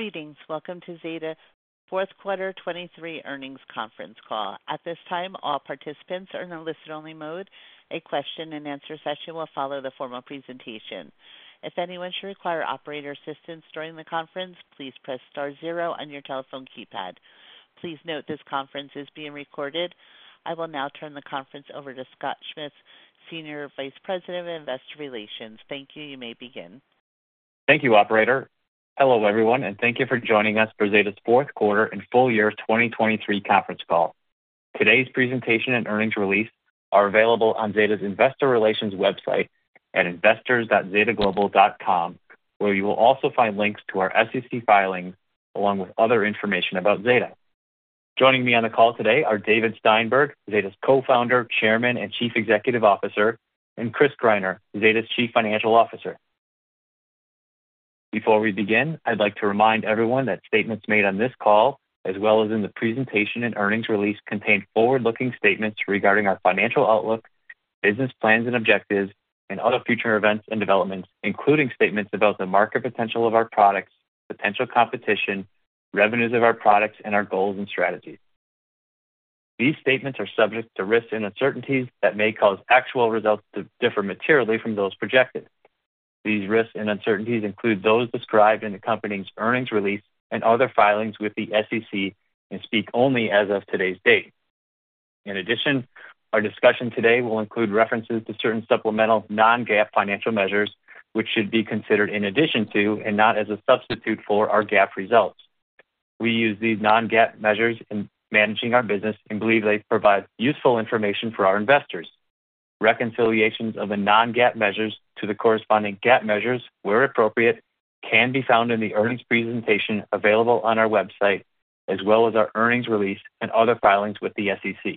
Greetings. Welcome to Zeta's fourth quarter 2023 earnings conference call. At this time, all participants are in a listen-only mode. A question-and-answer session will follow the formal presentation. If anyone should require operator assistance during the conference, please press star zero on your telephone keypad. Please note, this conference is being recorded. I will now turn the conference over to Scott Schmitz, Senior Vice President of Investor Relations. Thank you. You may begin. Thank you, operator. Hello, everyone, and thank you for joining us for Zeta's fourth quarter and full year 2023 conference call. Today's presentation and earnings release are available on Zeta's Investor Relations website at investors.zetaglobal.com, where you will also find links to our SEC filings, along with other information about Zeta. Joining me on the call today are David Steinberg, Zeta's Co-Founder, Chairman, and Chief Executive Officer, and Chris Greiner, Zeta's Chief Financial Officer. Before we begin, I'd like to remind everyone that statements made on this call, as well as in the presentation and earnings release, contain forward-looking statements regarding our financial outlook, business plans and objectives, and other future events and developments, including statements about the market potential of our products, potential competition, revenues of our products, and our goals and strategies. These statements are subject to risks and uncertainties that may cause actual results to differ materially from those projected. These risks and uncertainties include those described in the company's earnings release and other filings with the SEC, and speak only as of today's date. In addition, our discussion today will include references to certain supplemental non-GAAP financial measures, which should be considered in addition to, and not as a substitute for, our GAAP results. We use these non-GAAP measures in managing our business and believe they provide useful information for our investors. Reconciliations of the non-GAAP measures to the corresponding GAAP measures, where appropriate, can be found in the earnings presentation available on our website, as well as our earnings release and other filings with the SEC.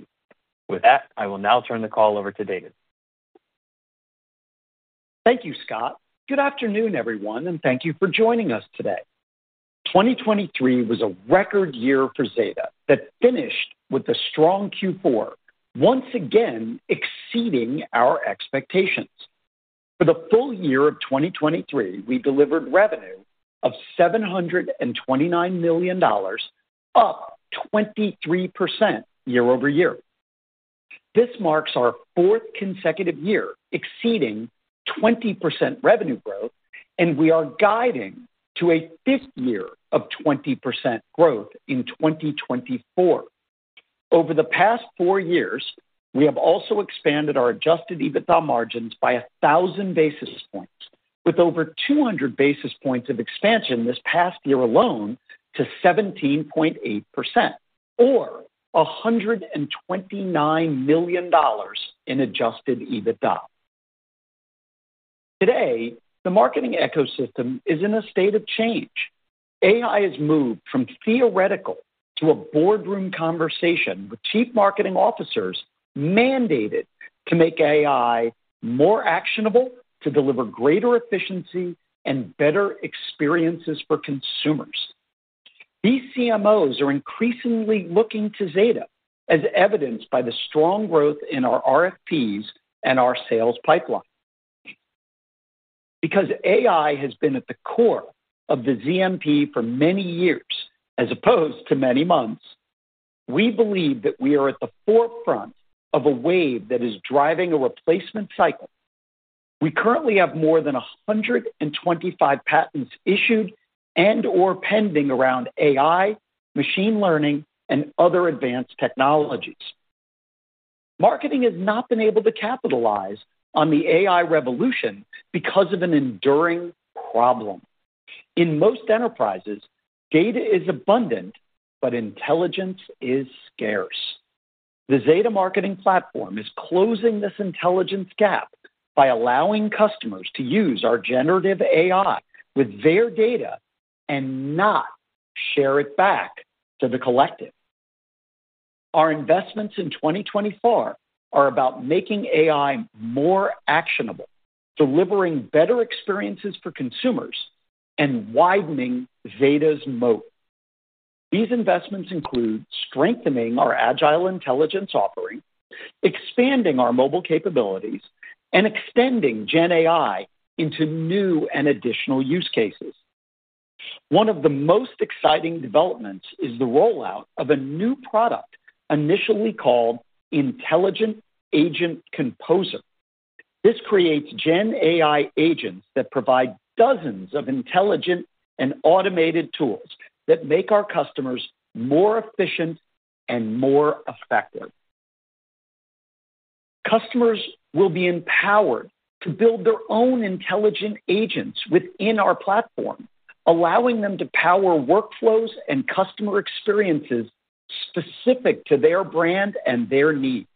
With that, I will now turn the call over to David. Thank you, Scott. Good afternoon, everyone, and thank you for joining us today. 2023 was a record year for Zeta that finished with a strong Q4, once again exceeding our expectations. For the full year of 2023, we delivered revenue of $729 million, up 23% year-over-year. This marks our fourth consecutive year exceeding 20% revenue growth, and we are guiding to a fifth year of 20% growth in 2024. Over the past four years, we have also expanded our Adjusted EBITDA margins by 1,000 basis points, with over 200 basis points of expansion this past year alone to 17.8% or $129 million in Adjusted EBITDA. Today, the marketing ecosystem is in a state of change. AI has moved from theoretical to a boardroom conversation, with chief marketing officers mandated to make AI more actionable, to deliver greater efficiency and better experiences for consumers. These CMOs are increasingly looking to Zeta, as evidenced by the strong growth in our RFPs and our sales pipeline. Because AI has been at the core of the ZMP for many years, as opposed to many months, we believe that we are at the forefront of a wave that is driving a replacement cycle. We currently have more than 125 patents issued and/or pending around AI, machine learning, and other advanced technologies. Marketing has not been able to capitalize on the AI revolution because of an enduring problem. In most enterprises, data is abundant, but intelligence is scarce. The Zeta Marketing Platform is closing this intelligence gap by allowing customers to use our generative AI with their data and not share it back to the collective. Our investments in 2024 are about making AI more actionable, delivering better experiences for consumers, and widening Zeta's moat. These investments include strengthening our Agile Intelligence offering, expanding our mobile capabilities, and extending Gen AI into new and additional use cases. One of the most exciting developments is the rollout of a new product initially called Intelligent Agent Composer. This creates Gen AI agents that provide dozens of intelligent and automated tools that make our customers more efficient and more effective. Customers will be empowered to build their own intelligent agents within our platform, allowing them to power workflows and customer experiences specific to their brand and their needs.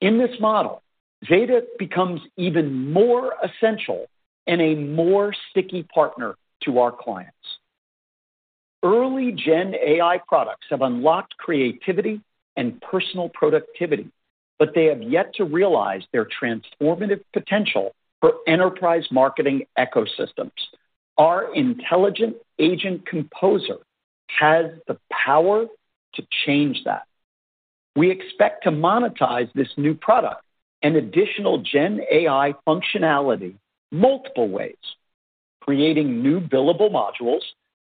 In this model, Zeta becomes even more essential and a more sticky partner to our clients. Early Gen AI products have unlocked creativity and personal productivity, but they have yet to realize their transformative potential for enterprise marketing ecosystems. Our Intelligent Agent Composer has the power to change that.... We expect to monetize this new product and additional Gen AI functionality multiple ways, creating new billable modules,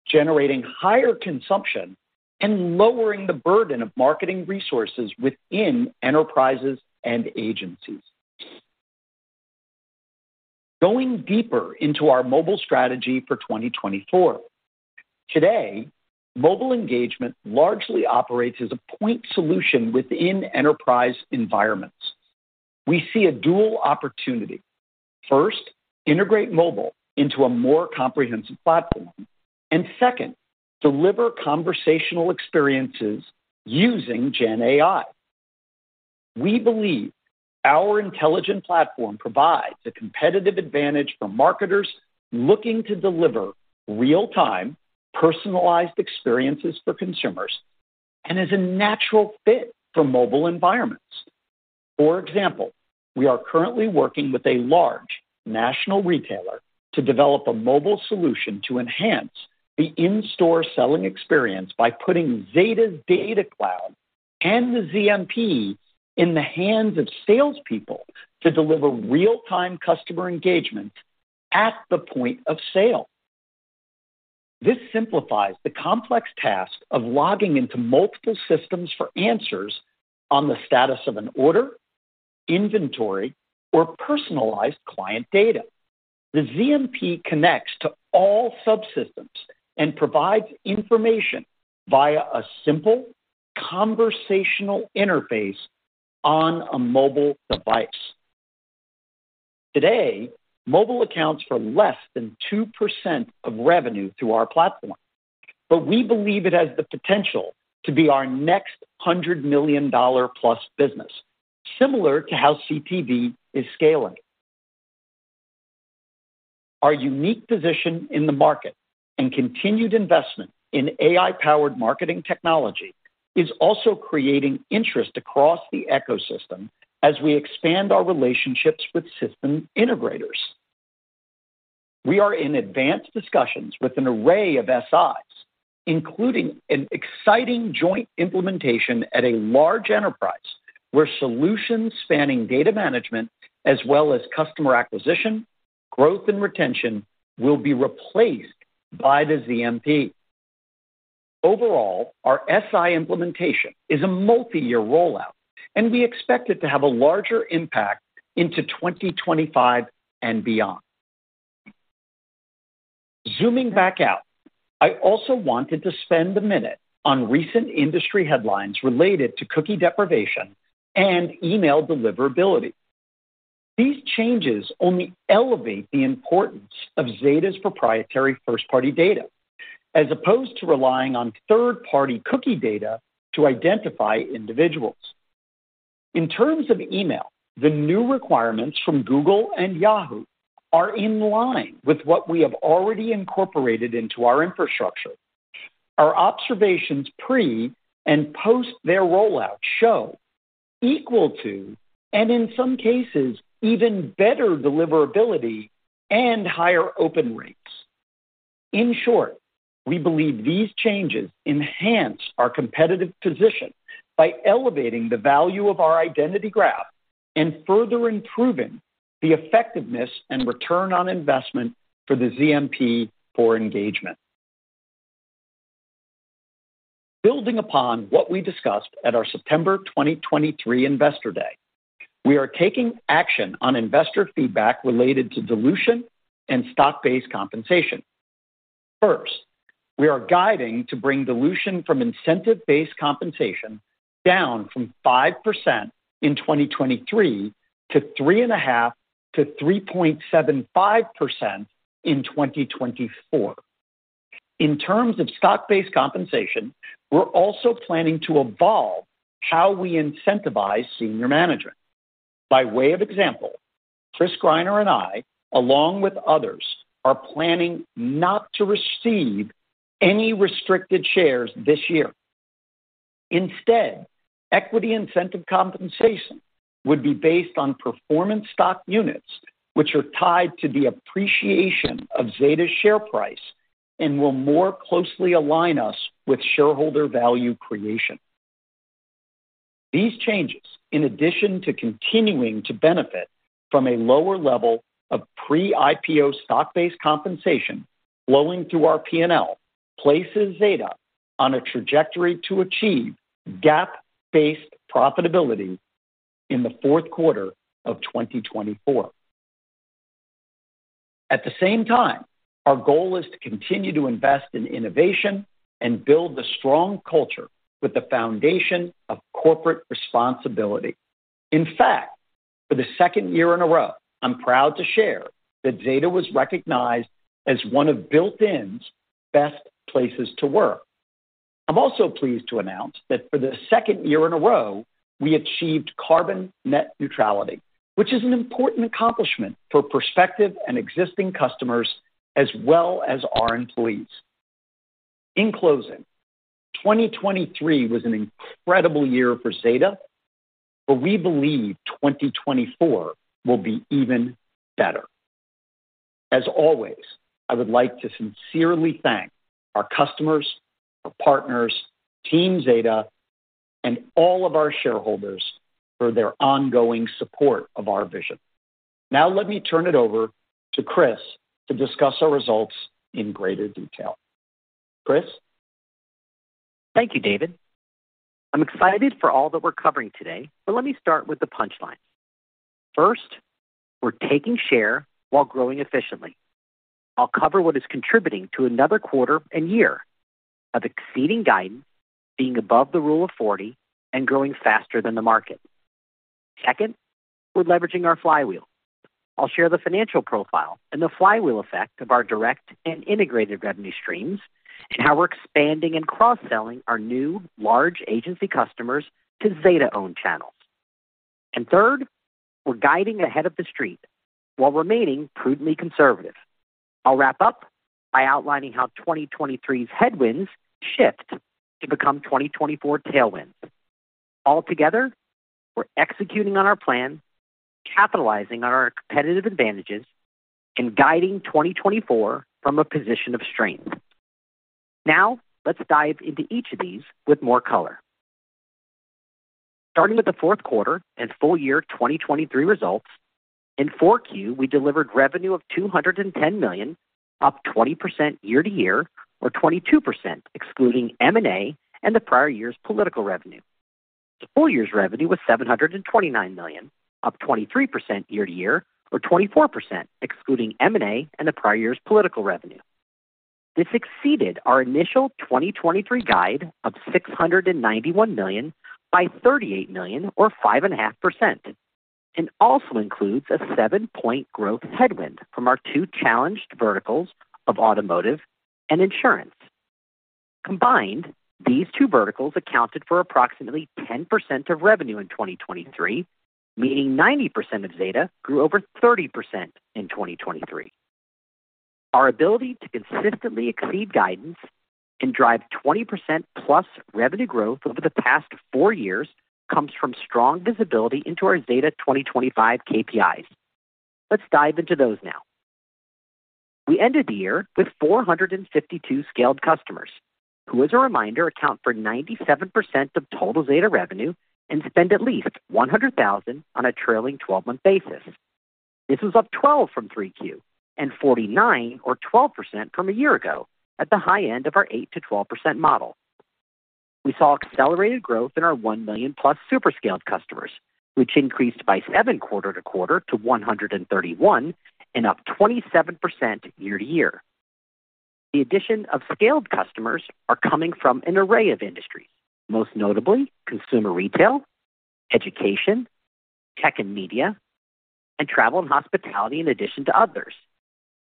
generating higher consumption, and lowering the burden of marketing resources within enterprises and agencies. Going deeper into our mobile strategy for 2024. Today, mobile engagement largely operates as a point solution within enterprise environments. We see a dual opportunity. First, integrate mobile into a more comprehensive platform, and second, deliver conversational experiences using Gen AI. We believe our intelligent platform provides a competitive advantage for marketers looking to deliver real-time, personalized experiences for consumers, and is a natural fit for mobile environments. For example, we are currently working with a large national retailer to develop a mobile solution to enhance the in-store selling experience by putting Zeta Data Cloud and the ZMP in the hands of salespeople to deliver real-time customer engagement at the point of sale. This simplifies the complex task of logging into multiple systems for answers on the status of an order, inventory, or personalized client data. The ZMP connects to all subsystems and provides information via a simple conversational interface on a mobile device. Today, mobile accounts for less than 2% of revenue through our platform, but we believe it has the potential to be our next $100 million plus business, similar to how CTV is scaling. Our unique position in the market and continued investment in AI-powered marketing technology is also creating interest across the ecosystem as we expand our relationships with system integrators. We are in advanced discussions with an array of SIs, including an exciting joint implementation at a large enterprise, where solutions spanning data management as well as customer acquisition, growth, and retention will be replaced by the ZMP. Overall, our SI implementation is a multi-year rollout, and we expect it to have a larger impact into 2025 and beyond. Zooming back out, I also wanted to spend a minute on recent industry headlines related to cookie deprecation and email deliverability. These changes only elevate the importance of Zeta's proprietary first-party data, as opposed to relying on third-party cookie data to identify individuals. In terms of email, the new requirements from Google and Yahoo are in line with what we have already incorporated into our infrastructure. Our observations pre and post their rollout show equal to, and in some cases, even better deliverability and higher open rates. In short, we believe these changes enhance our competitive position by elevating the value of our identity graph and further improving the effectiveness and return on investment for the ZMP for engagement. Building upon what we discussed at our September 2023 investor day, we are taking action on investor feedback related to dilution and stock-based compensation. First, we are guiding to bring dilution from incentive-based compensation down from 5% in 2023 to 3.5%-3.75% in 2024. In terms of stock-based compensation, we're also planning to evolve how we incentivize senior management. By way of example, Chris Greiner and I, along with others, are planning not to receive any restricted shares this year. Instead, equity incentive compensation would be based on performance stock units, which are tied to the appreciation of Zeta's share price and will more closely align us with shareholder value creation. These changes, in addition to continuing to benefit from a lower level of pre-IPO stock-based compensation flowing through our P&L, places Zeta on a trajectory to achieve GAAP-based profitability in the fourth quarter of 2024. At the same time, our goal is to continue to invest in innovation and build a strong culture with the foundation of corporate responsibility. In fact, for the second year in a row, I'm proud to share that Zeta was recognized as one of Built In's Best Places to Work. I'm also pleased to announce that for the second year in a row, we achieved carbon net neutrality, which is an important accomplishment for prospective and existing customers as well as our employees. In closing, 2023 was an incredible year for Zeta, but we believe 2024 will be even better. As always, I would like to sincerely thank our customers, our partners, Team Zeta, and all of our shareholders for their ongoing support of our vision. Now let me turn it over to Chris to discuss our results in greater detail. Chris? Thank you, David. I'm excited for all that we're covering today, but let me start with the punchline. First, we're taking share while growing efficiently. I'll cover what is contributing to another quarter and year of exceeding guidance, being above the Rule of 40, and growing faster than the market. Second, we're leveraging our flywheel. I'll share the financial profile and the flywheel effect of our direct and integrated revenue streams, and how we're expanding and cross-selling our new large agency customers to Zeta-owned channels. And third, we're guiding ahead of the street while remaining prudently conservative. I'll wrap up by outlining how 2023's headwinds shift to become 2024 tailwinds. Altogether, we're executing on our plan, capitalizing on our competitive advantages, and guiding 2024 from a position of strength. Now, let's dive into each of these with more color. Starting with the fourth quarter and full year 2023 results, in Q4, we delivered revenue of $210 million, up 20% year-over-year, or 22%, excluding M&A and the prior year's political revenue. The full year's revenue was $729 million, up 23% year-over-year, or 24%, excluding M&A and the prior year's political revenue. This exceeded our initial 2023 guide of $691 million by $38 million, or 5.5%, and also includes a 7-point growth headwind from our two challenged verticals of automotive and insurance. Combined, these two verticals accounted for approximately 10% of revenue in 2023, meaning 90% of Zeta grew over 30% in 2023. Our ability to consistently exceed guidance and drive 20%+ revenue growth over the past 4 years comes from strong visibility into our Zeta 2025 KPIs. Let's dive into those now. We ended the year with 452 Scaled Customers, who, as a reminder, account for 97% of total Zeta revenue and spend at least $100,000 on a trailing twelve-month basis. This was up 12 from 3Q 440 or 12% from a year ago, at the high end of our 8%-12% model. We saw accelerated growth in our $1 million+ Super Scaled Customers, which increased by 7 quarter-to-quarter to 131 and up 27% year-to-year. The addition of scaled customers are coming from an array of industries, most notably consumer retail, education, tech and media, and travel and hospitality, in addition to others,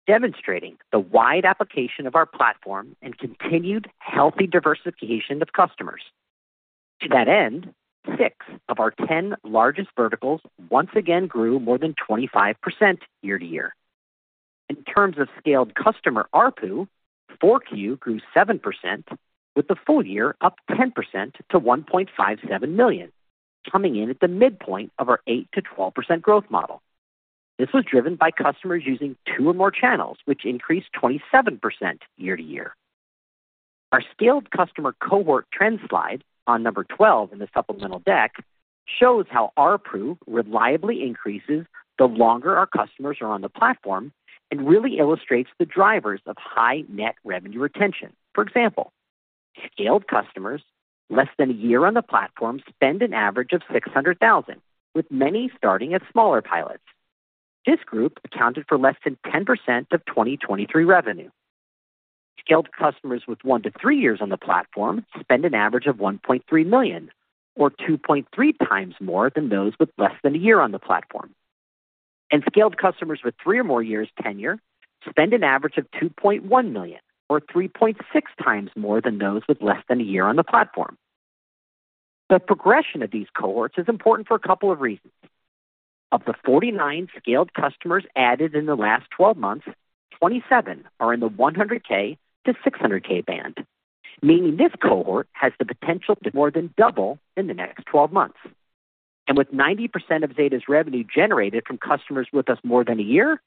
demonstrating the wide application of our platform and continued healthy diversification of customers. To that end, six of our ten largest verticals once again grew more than 25% year-over-year. In terms of scaled customer ARPU, Q4 grew 7%, with the full year up 10% to $1.57 million, coming in at the midpoint of our 8%-12% growth model. This was driven by customers using two or more channels, which increased 27% year-over-year. Our scaled customer cohort trend slide on number 12 in the supplemental deck shows how ARPU reliably increases the longer our customers are on the platform and really illustrates the drivers of high net revenue retention. For example, scaled customers less than a year on the platform spend an average of $600,000, with many starting at smaller pilots. This group accounted for less than 10% of 2023 revenue. Scaled customers with one to three years on the platform spend an average of $1.3 million, or 2.3 times more than those with less than a year on the platform. Scaled customers with three or more years tenure spend an average of $2.1 million, or 3.6 times more than those with less than a year on the platform. The progression of these cohorts is important for a couple of reasons. Of the 49 scaled customers added in the last twelve months, 27 are in the 100K-600K band, meaning this cohort has the potential to more than double in the next twelve months. With 90% of Zeta's revenue generated from customers with us more than a year,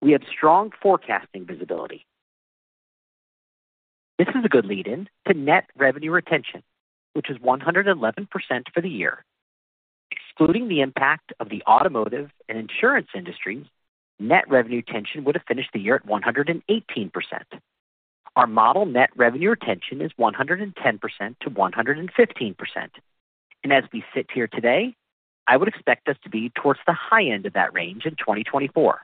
we have strong forecasting visibility. This is a good lead-in to net revenue retention, which is 111% for the year. Excluding the impact of the automotive and insurance industries, net revenue retention would have finished the year at 118%. Our model net revenue retention is 110%-115%, and as we sit here today, I would expect us to be towards the high end of that range in 2024.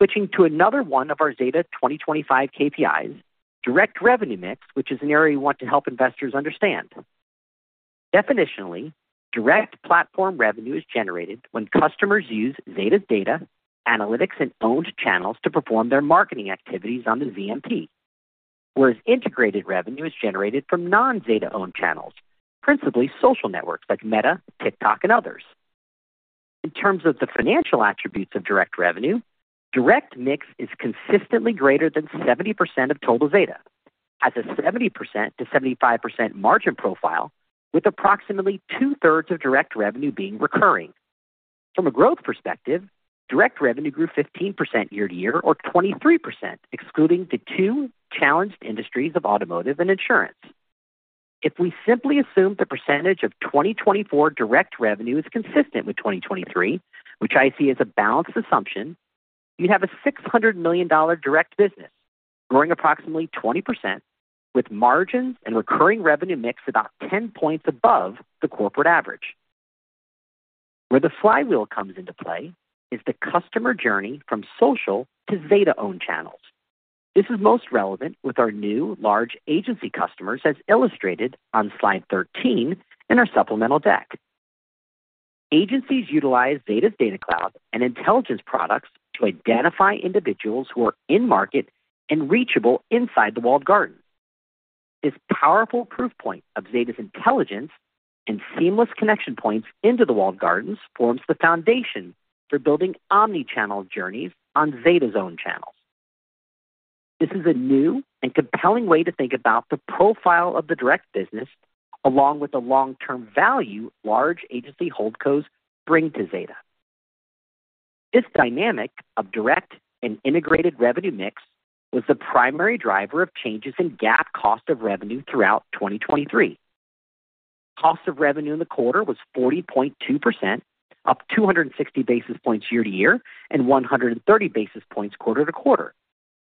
Switching to another one of our Zeta 2025 KPIs, direct revenue mix, which is an area we want to help investors understand. Definitionally, direct platform revenue is generated when customers use Zeta's data, analytics, and owned channels to perform their marketing activities on the ZMP, whereas integrated revenue is generated from non-Zeta-owned channels, principally social networks like Meta, TikTok, and others. In terms of the financial attributes of direct revenue, direct mix is consistently greater than 70% of total Zeta.... has a 70%-75% margin profile, with approximately two-thirds of direct revenue being recurring. From a growth perspective, direct revenue grew 15% year-over-year, or 23%, excluding the two challenged industries of automotive and insurance. If we simply assume the percentage of 2024 direct revenue is consistent with 2023, which I see as a balanced assumption, you'd have a $600 million direct business growing approximately 20%, with margins and recurring revenue mix about 10 points above the corporate average. Where the flywheel comes into play is the customer journey from social to Zeta-owned channels. This is most relevant with our new large agency customers, as illustrated on slide 13 in our supplemental deck. Agencies utilize Zeta's Data Cloud and intelligence products to identify individuals who are in-market and reachable inside the walled garden. This powerful proof point of Zeta's intelligence and seamless connection points into the walled gardens forms the foundation for building omni-channel journeys on Zeta's own channels. This is a new and compelling way to think about the profile of the direct business, along with the long-term value large agency holdcos bring to Zeta. This dynamic of direct and integrated revenue mix was the primary driver of changes in GAAP cost of revenue throughout 2023. Cost of revenue in the quarter was 40.2%, up 260 basis points year to year and 130 basis points quarter to quarter,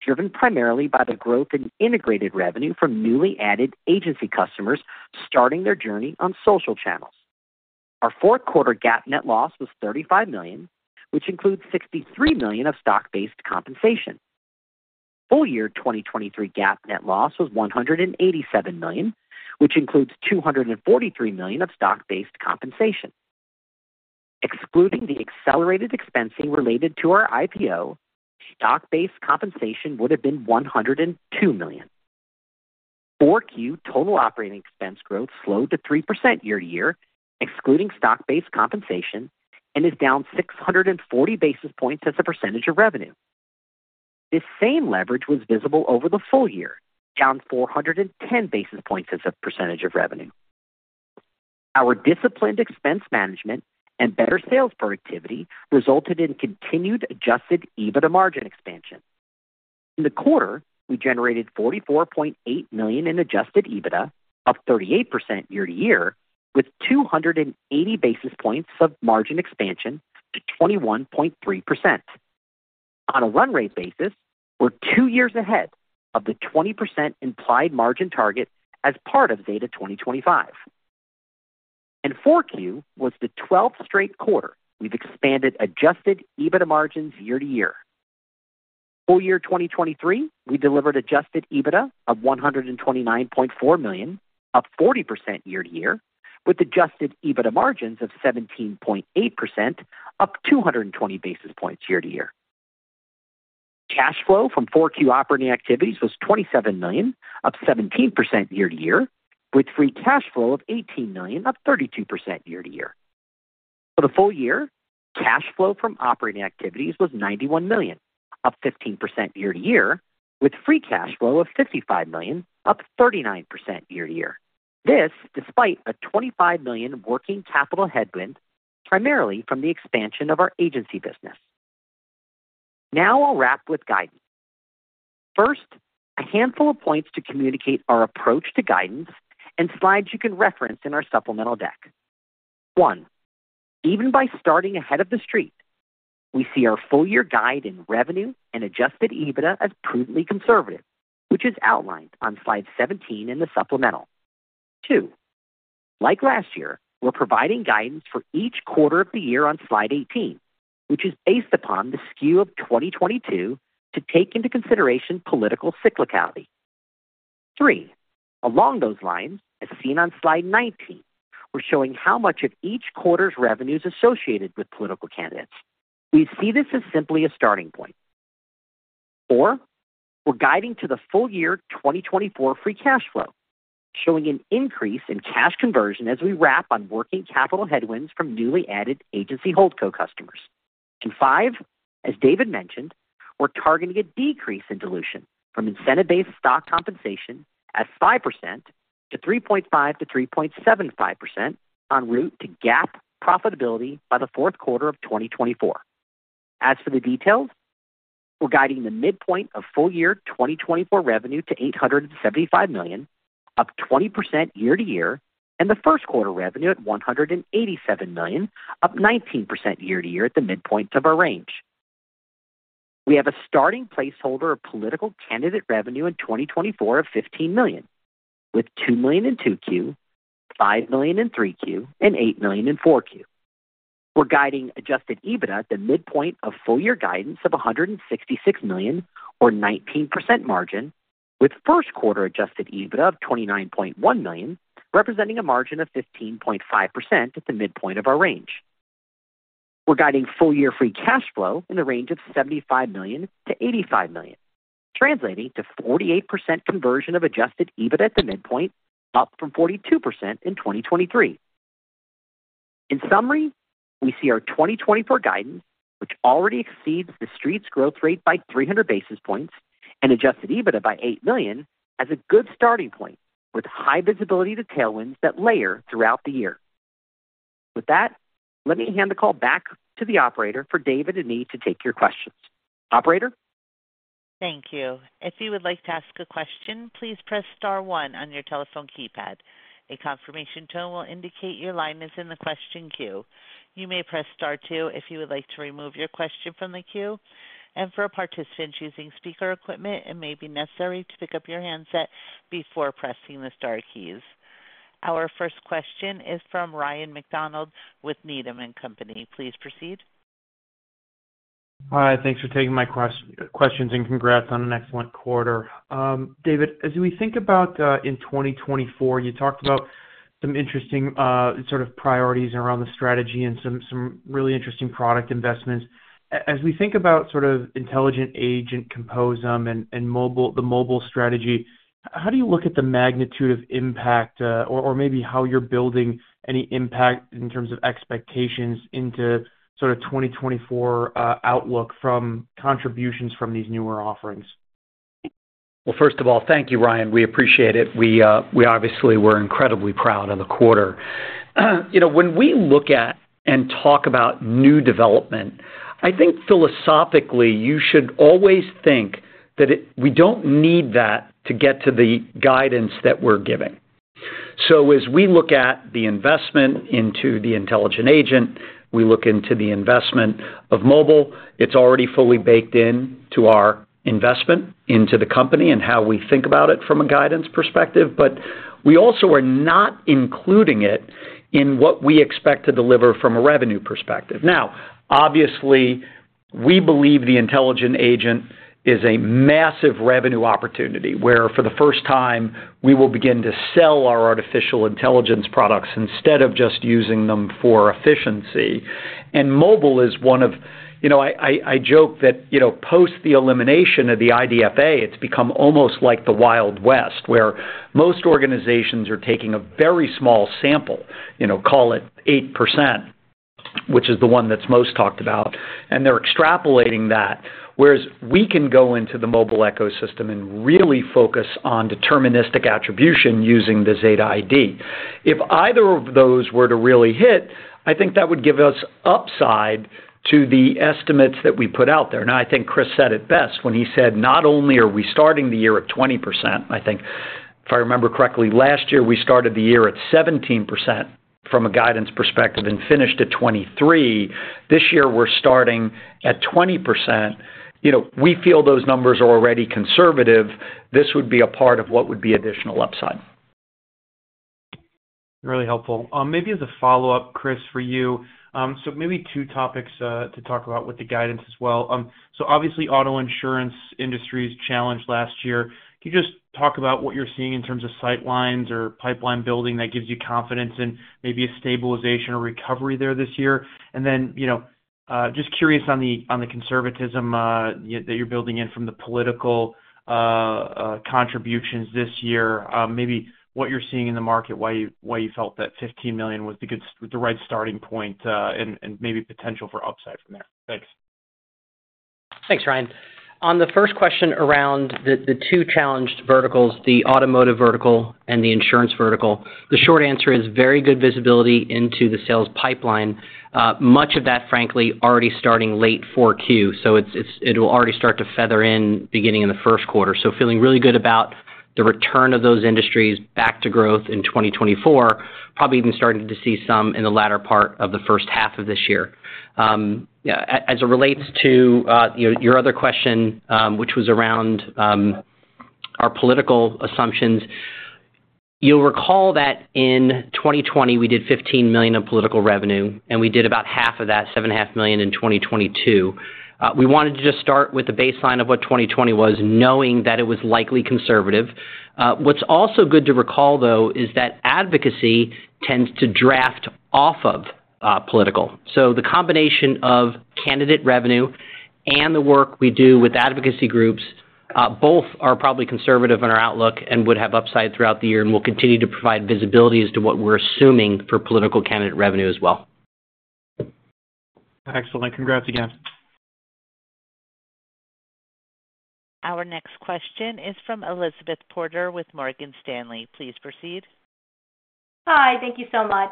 driven primarily by the growth in integrated revenue from newly added agency customers starting their journey on social channels. Our fourth quarter GAAP net loss was $35 million, which includes $63 million of stock-based compensation. Full year 2023 GAAP net loss was $187 million, which includes $243 million of stock-based compensation. Excluding the accelerated expensing related to our IPO, stock-based compensation would have been $102 million. 4Q total operating expense growth slowed to 3% year-to-year, excluding stock-based compensation, and is down 640 basis points as a percentage of revenue. This same leverage was visible over the full year, down 410 basis points as a percentage of revenue. Our disciplined expense management and better sales productivity resulted in continued adjusted EBITDA margin expansion. In the quarter, we generated $44.8 million in adjusted EBITDA, up 38% year-to-year, with 280 basis points of margin expansion to 21.3%. On a run rate basis, we're two years ahead of the 20% implied margin target as part of Zeta 2025. Q4 was the 12th straight quarter we've expanded Adjusted EBITDA margins year-over-year. Full year 2023, we delivered Adjusted EBITDA of $129.4 million, up 40% year-over-year, with Adjusted EBITDA margins of 17.8%, up 220 basis points year-over-year. Cash flow from Q4 operating activities was $27 million, up 17% year-over-year, with free cash flow of $18 million, up 32% year-over-year. For the full year, cash flow from operating activities was $91 million, up 15% year-over-year, with free cash flow of $55 million, up 39% year-over-year. This despite a $25 million working capital headwind, primarily from the expansion of our agency business. Now I'll wrap with guidance. First, a handful of points to communicate our approach to guidance and slides you can reference in our supplemental deck. One, even by starting ahead of the street, we see our full year guide in revenue and Adjusted EBITDA as prudently conservative, which is outlined on slide 17 in the supplemental. Two, like last year, we're providing guidance for each quarter of the year on slide 18, which is based upon the skew of 2022 to take into consideration political cyclicality. Three, along those lines, as seen on slide 19, we're showing how much of each quarter's revenues associated with political candidates. We see this as simply a starting point. Four, we're guiding to the full year 2024 free cash flow, showing an increase in cash conversion as we wrap on working capital headwinds from newly added agency holdco customers. Five, as David mentioned, we're targeting a decrease in dilution from incentive-based stock compensation at 5% to 3.5%-3.75% en route to GAAP profitability by the fourth quarter of 2024. As for the details, we're guiding the midpoint of full year 2024 revenue to $875 million, up 20% year-over-year, and the first quarter revenue at $187 million, up 19% year-over-year at the midpoint of our range. We have a starting placeholder of political candidate revenue in 2024 of $15 million, with $2 million in 2Q, $5 million in 3Q, and $8 million in 4Q. We're guiding Adjusted EBITDA at the midpoint of full year guidance of $166 million, or 19% margin, with first quarter Adjusted EBITDA of $29.1 million, representing a margin of 15.5% at the midpoint of our range. We're guiding full year free cash flow in the range of $75 million-$85 million, translating to 48% conversion of Adjusted EBITDA at the midpoint, up from 42% in 2023. In summary, we see our 2024 guidance, which already exceeds the Street's growth rate by 300 basis points and Adjusted EBITDA by $8 million, as a good starting point, with high visibility to tailwinds that layer throughout the year. With that, let me hand the call back to the operator for David and me to take your questions. Operator? Thank you. If you would like to ask a question, please press star one on your telephone keypad. A confirmation tone will indicate your line is in the question queue. You may press star two if you would like to remove your question from the queue, and for a participant using speaker equipment, it may be necessary to pick up your handset before pressing the star keys. Our first question is from Ryan MacDonald with Needham and Company. Please proceed. Hi, thanks for taking my questions, and congrats on an excellent quarter. David, as we think about in 2024, you talked about some interesting sort of priorities around the strategy and some really interesting product investments. As we think about sort of Intelligent Agent Composer and the mobile strategy, how do you look at the magnitude of impact or maybe how you're building any impact in terms of expectations into sort of 2024 outlook from contributions from these newer offerings? Well, first of all, thank you, Ryan. We appreciate it. We, we obviously we're incredibly proud of the quarter. You know, when we look at and talk about new development, I think philosophically, you should always think that it, we don't need that to get to the guidance that we're giving. So as we look at the investment into the intelligent agent, we look into the investment of mobile, it's already fully baked in to our investment into the company and how we think about it from a guidance perspective. But we also are not including it in what we expect to deliver from a revenue perspective. Now, obviously, we believe the intelligent agent is a massive revenue opportunity, where, for the first time, we will begin to sell our artificial intelligence products instead of just using them for efficiency. And mobile is one of... You know, I joke that, you know, post the elimination of the IDFA, it's become almost like the Wild West, where most organizations are taking a very small sample, you know, call it 8%, which is the one that's most talked about, and they're extrapolating that. Whereas we can go into the mobile ecosystem and really focus on deterministic attribution using the Zeta ID. If either of those were to really hit, I think that would give us upside to the estimates that we put out there. Now, I think Chris said it best when he said, "Not only are we starting the year at 20%," I think if I remember correctly, last year, we started the year at 17% from a guidance perspective and finished at 23. This year, we're starting at 20%. You know, we feel those numbers are already conservative. This would be a part of what would be additional upside. Really helpful. Maybe as a follow-up, Chris, for you. So maybe two topics to talk about with the guidance as well. So obviously, auto insurance industry's challenged last year. Can you just talk about what you're seeing in terms of sight lines or pipeline building that gives you confidence in maybe a stabilization or recovery there this year? And then, you know, just curious on the conservatism that you're building in from the political contributions this year, maybe what you're seeing in the market, why you, why you felt that $15 million was the right starting point, and maybe potential for upside from there. Thanks. Thanks, Ryan. On the first question around the two challenged verticals, the automotive vertical and the insurance vertical, the short answer is very good visibility into the sales pipeline. Much of that, frankly, already starting late 4Q. So it will already start to feather in beginning in the first quarter. So feeling really good about the return of those industries back to growth in 2024, probably even starting to see some in the latter part of the first half of this year. As it relates to your other question, which was around our political assumptions, you'll recall that in 2020, we did $15 million of political revenue, and we did about half of that, $7.5 million, in 2022. We wanted to just start with the baseline of what 2020 was, knowing that it was likely conservative. What's also good to recall, though, is that advocacy tends to draft off of political. So the combination of candidate revenue and the work we do with advocacy groups, both are probably conservative in our outlook and would have upside throughout the year, and we'll continue to provide visibility as to what we're assuming for political candidate revenue as well. Excellent. Congrats again. Our next question is from Elizabeth Porter with Morgan Stanley. Please proceed. Hi, thank you so much.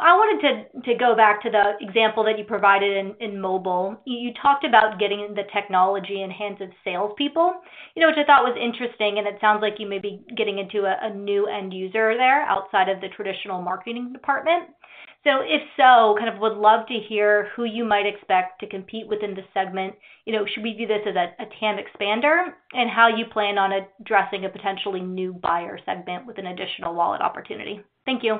I wanted to, to go back to the example that you provided in, in mobile. You talked about getting the technology in hands of salespeople, you know, which I thought was interesting, and it sounds like you may be getting into a, a new end user there outside of the traditional marketing department. So if so, kind of would love to hear who you might expect to compete within the segment. You know, should we view this as a, a tam expander? And how you plan on addressing a potentially new buyer segment with an additional wallet opportunity. Thank you.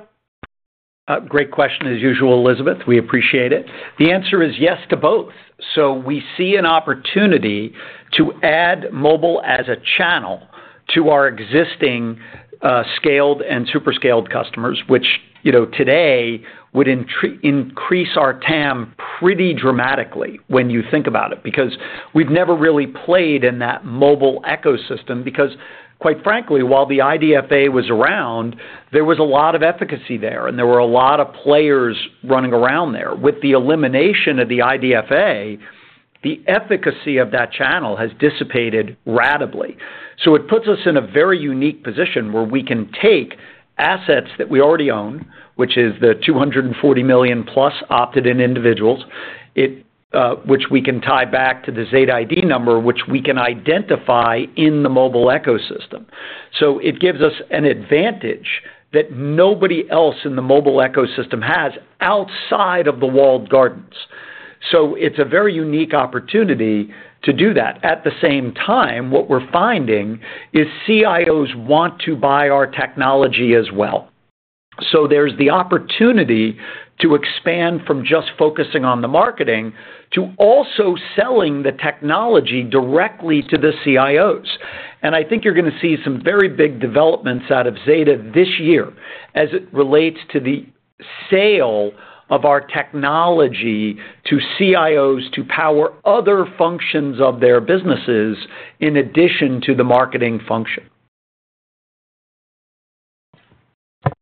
Great question as usual, Elizabeth. We appreciate it. The answer is yes to both. So we see an opportunity to add mobile as a channel to our existing scaled and super scaled customers, which, you know, today would increase our tam pretty dramatically when you think about it, because we've never really played in that mobile ecosystem. Because, quite frankly, while the IDFA was around, there was a lot of efficacy there, and there were a lot of players running around there. With the elimination of the IDFA, the efficacy of that channel has dissipated ratably. So it puts us in a very unique position where we can take assets that we already own, which is the 240 million plus opted-in individuals, which we can tie back to the Zeta ID number, which we can identify in the mobile ecosystem. So it gives us an advantage that nobody else in the mobile ecosystem has outside of the walled gardens. So it's a very unique opportunity to do that. At the same time, what we're finding is CIOs want to buy our technology as well. So there's the opportunity to expand from just focusing on the marketing, to also selling the technology directly to the CIOs. And I think you're gonna see some very big developments out of Zeta this year as it relates to the sale of our technology to CIOs to power other functions of their businesses, in addition to the marketing function.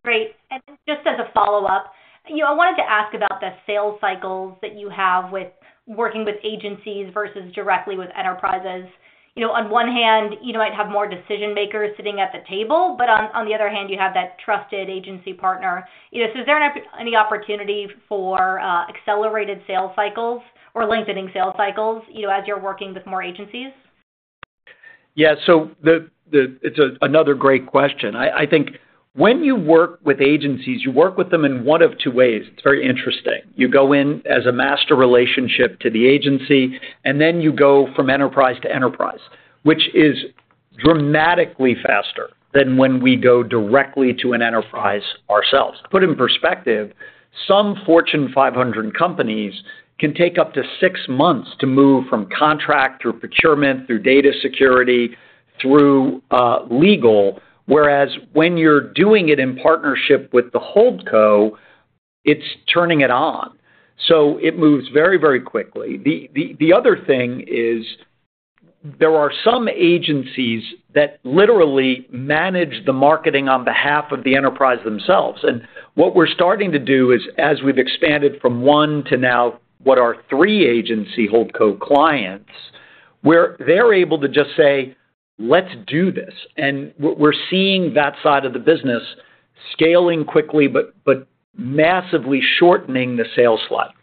Great. And just as a follow-up, you know, I wanted to ask about the sales cycles that you have with working with agencies versus directly with enterprises. You know, on one hand, you might have more decision-makers sitting at the table, but on the other hand, you have that trusted agency partner. You know, so is there any opportunity for accelerated sales cycles or lengthening sales cycles, you know, as you're working with more agencies? Yeah, so it's a another great question. I think when you work with agencies, you work with them in one of two ways. It's very interesting. You go in as a master relationship to the agency, and then you go from enterprise to enterprise, which is dramatically faster than when we go directly to an enterprise ourselves. To put in perspective, some Fortune 500 companies can take up to 6 months to move from contract, through procurement, through data security, through legal, whereas when you're doing it in partnership with the holdco, it's turning it on. So it moves very, very quickly. The other thing is, there are some agencies that literally manage the marketing on behalf of the enterprise themselves. And what we're starting to do is, as we've expanded from one to now, what are three agency holdco clients, where they're able to just say, "Let's do this." And we're, we're seeing that side of the business scaling quickly, but, but massively shortening the sales slot.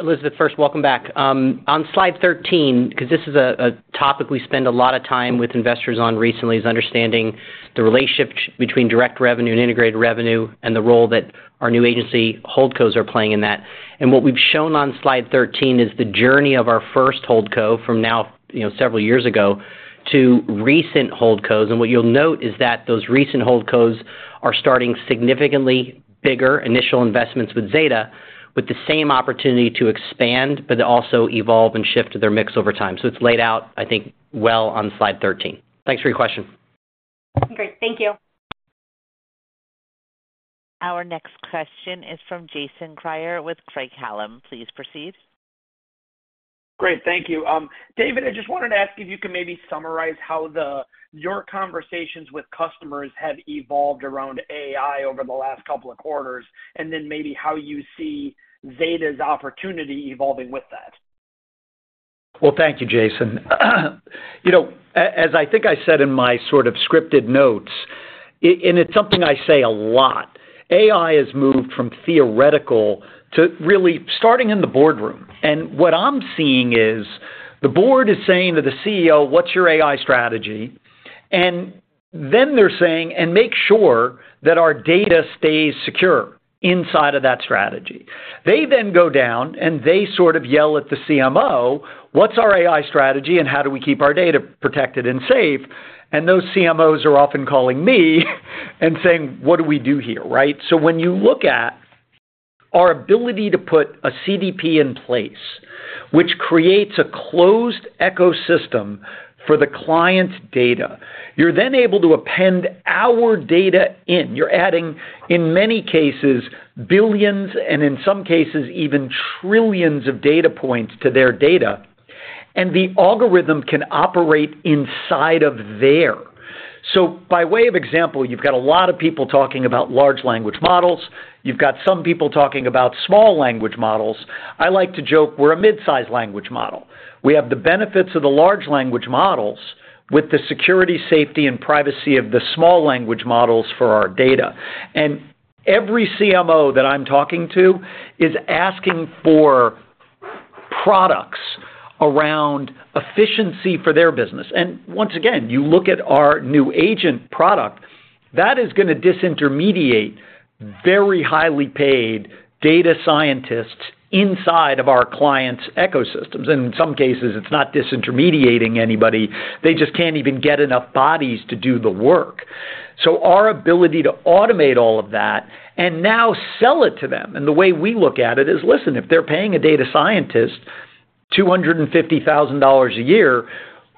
Elizabeth, first, welcome back. On slide 13, because this is a topic we spend a lot of time with investors on recently, is understanding the relationship between direct revenue and integrated revenue and the role that our new agency holdcos are playing in that. And what we've shown on slide 13 is the journey of our first holdco from now, you know, several years ago, to recent holdcos. And what you'll note is that those recent holdcos are starting significantly bigger initial investments with Zeta, with the same opportunity to expand, but to also evolve and shift their mix over time. So it's laid out, I think, well, on slide 13. Thanks for your question. Great. Thank you. Our next question is from Jason Kreyer with Craig-Hallum. Please proceed. Great. Thank you. David, I just wanted to ask if you could maybe summarize how your conversations with customers have evolved around AI over the last couple of quarters, and then maybe how you see Zeta's opportunity evolving with that? Well, thank you, Jason. You know, as I think I said in my sort of scripted notes, and it's something I say a lot, AI has moved from theoretical to really starting in the boardroom. What I'm seeing is, the board is saying to the CEO, "What's your AI strategy?" Then they're saying, "And make sure that our data stays secure inside of that strategy." They then go down, and they sort of yell at the CMO, "What's our AI strategy, and how do we keep our data protected and safe?" Those CMOs are often calling me and saying, "What do we do here," right? So when you look at our ability to put a CDP in place, which creates a closed ecosystem for the client's data, you're then able to append our data in. You're adding, in many cases, billions, and in some cases, even trillions of data points to their data, and the algorithm can operate inside of there. So by way of example, you've got a lot of people talking about large language models. You've got some people talking about small language models. I like to joke we're a mid-sized language model. We have the benefits of the large language models with the security, safety, and privacy of the small language models for our data. And every CMO that I'm talking to is asking for products around efficiency for their business. And once again, you look at our new agent product, that is gonna disintermediate very highly paid data scientists inside of our clients' ecosystems. And in some cases, it's not disintermediating anybody. They just can't even get enough bodies to do the work. So our ability to automate all of that and now sell it to them, and the way we look at it is, listen, if they're paying a data scientist $250,000 a year,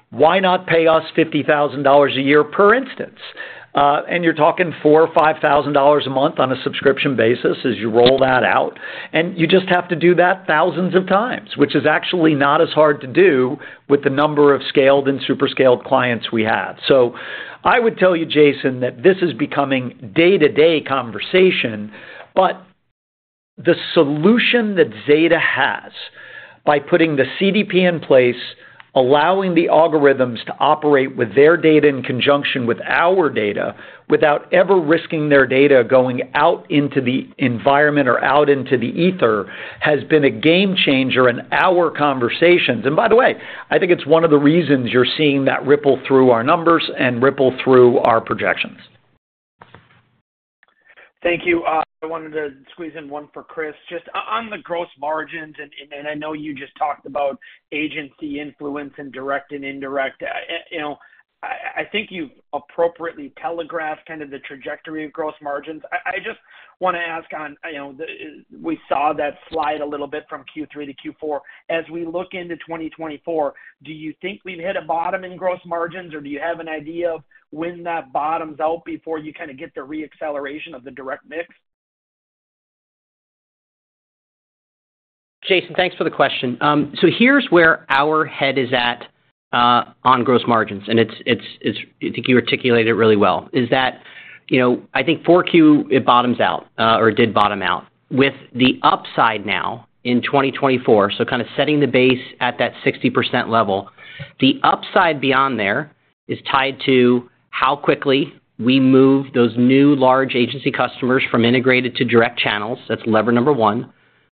why not pay us $50,000 a year per instance? And you're talking $4,000-$5,000 a month on a subscription basis as you roll that out, and you just have to do that thousands of times, which is actually not as hard to do with the number of Scaled and Super Scaled clients we have. So I would tell you, Jason, that this is becoming day-to-day conversation, but-... The solution that Zeta has, by putting the CDP in place, allowing the algorithms to operate with their data in conjunction with our data, without ever risking their data going out into the environment or out into the ether, has been a game changer in our conversations. By the way, I think it's one of the reasons you're seeing that ripple through our numbers and ripple through our projections. Thank you. I wanted to squeeze in one for Chris. Just on the gross margins, and I know you just talked about agency influence and direct and indirect. You know, I think you've appropriately telegraphed kind of the trajectory of gross margins. I just wanna ask on, you know, the—we saw that slide a little bit from Q3 to Q4. As we look into 2024, do you think we've hit a bottom in gross margins, or do you have an idea of when that bottoms out before you kinda get the re-acceleration of the direct mix? Jason, thanks for the question. So here's where our head is at on gross margins, and it's- I think you articulated it really well, is that, you know, I think 4Q, it bottoms out, or it did bottom out. With the upside now in 2024, so kind of setting the base at that 60% level, the upside beyond there is tied to how quickly we move those new large agency customers from integrated to direct channels. That's lever number one.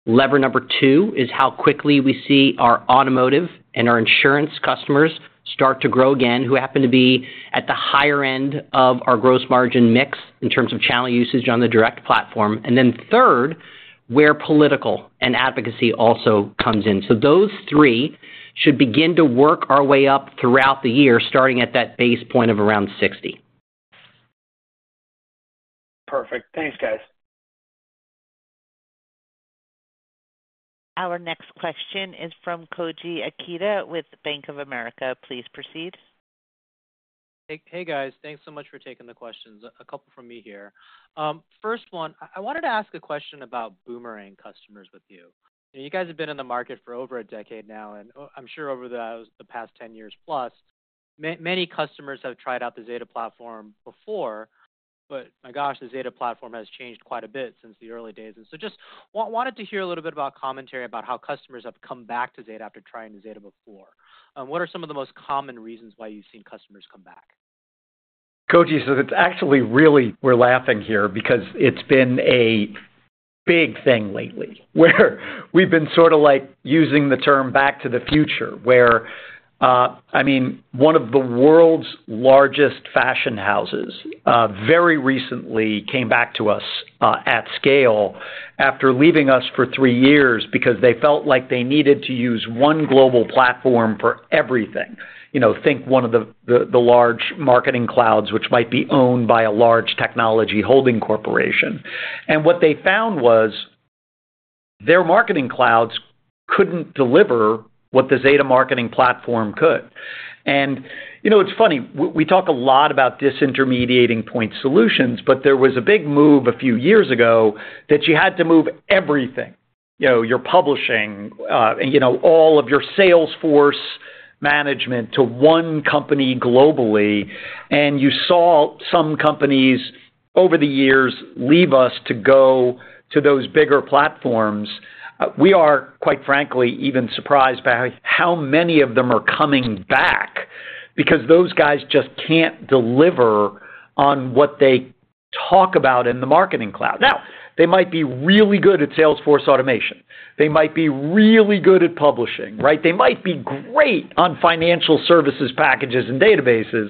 Lever number two is how quickly we see our automotive and our insurance customers start to grow again, who happen to be at the higher end of our gross margin mix in terms of channel usage on the direct platform. And then third, where political and advocacy also comes in. Those three should begin to work our way up throughout the year, starting at that base point of around 60. Perfect. Thanks, guys. Our next question is from Koji Ikeda with Bank of America. Please proceed. Hey, hey, guys, thanks so much for taking the questions. A couple from me here. First one, I wanted to ask a question about boomerang customers with you. You guys have been in the market for over a decade now, and I'm sure over the past 10 years plus, many customers have tried out the Zeta platform before, but my gosh, the Zeta platform has changed quite a bit since the early days. And so just wanted to hear a little bit about commentary about how customers have come back to Zeta after trying Zeta before. What are some of the most common reasons why you've seen customers come back? Koji, so it's actually really. We're laughing here because it's been a big thing lately, where we've been sorta like using the term back to the future. Where, I mean, one of the world's largest fashion houses very recently came back to us at scale, after leaving us for three years because they felt like they needed to use one global platform for everything. You know, think one of the large marketing clouds, which might be owned by a large technology holding corporation. And what they found was, their marketing clouds couldn't deliver what the Zeta Marketing Platform could. You know, it's funny, we talk a lot about disintermediating point solutions, but there was a big move a few years ago that you had to move everything, you know, your publishing, you know, all of your Salesforce management to one company globally, and you saw some companies over the years leave us to go to those bigger platforms. We are, quite frankly, even surprised by how many of them are coming back, because those guys just can't deliver on what they talk about in the marketing cloud. Now, they might be really good at Salesforce automation, they might be really good at publishing, right? They might be great on financial services packages and databases,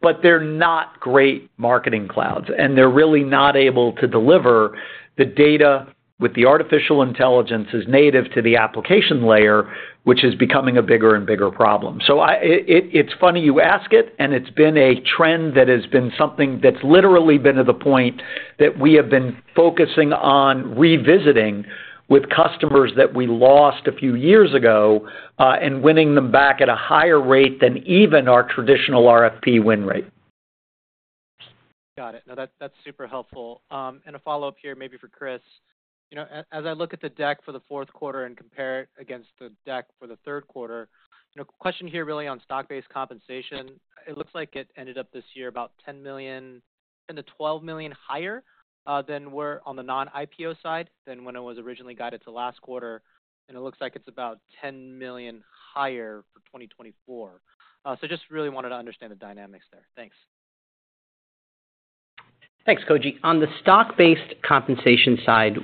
but they're not great marketing clouds, and they're really not able to deliver the data with the artificial intelligence as native to the application layer, which is becoming a bigger and bigger problem. So it's funny you ask it, and it's been a trend that has been something that's literally been to the point that we have been focusing on revisiting with customers that we lost a few years ago, and winning them back at a higher rate than even our traditional RFP win rate. Got it. No, that's, that's super helpful. A follow-up here, maybe for Chris. You know, as I look at the deck for the fourth quarter and compare it against the deck for the third quarter, you know, question here really on stock-based compensation. It looks like it ended up this year about $10 million and $12 million higher, than we're on the non-IPO side than when it was originally guided to last quarter, and it looks like it's about $10 million higher for 2024. Just really wanted to understand the dynamics there. Thanks. Thanks, Koji. On the stock-based compensation side,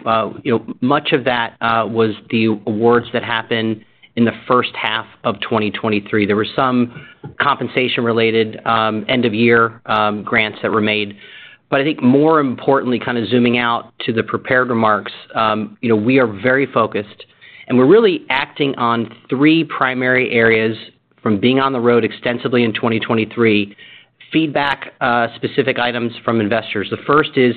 you know, much of that was the awards that happened in the first half of 2023. There were some compensation-related end-of-year grants that were made. But I think more importantly, kind of zooming out to the prepared remarks, you know, we are very focused, and we're really acting on three primary areas from being on the road extensively in 2023, feedback specific items from investors. The first is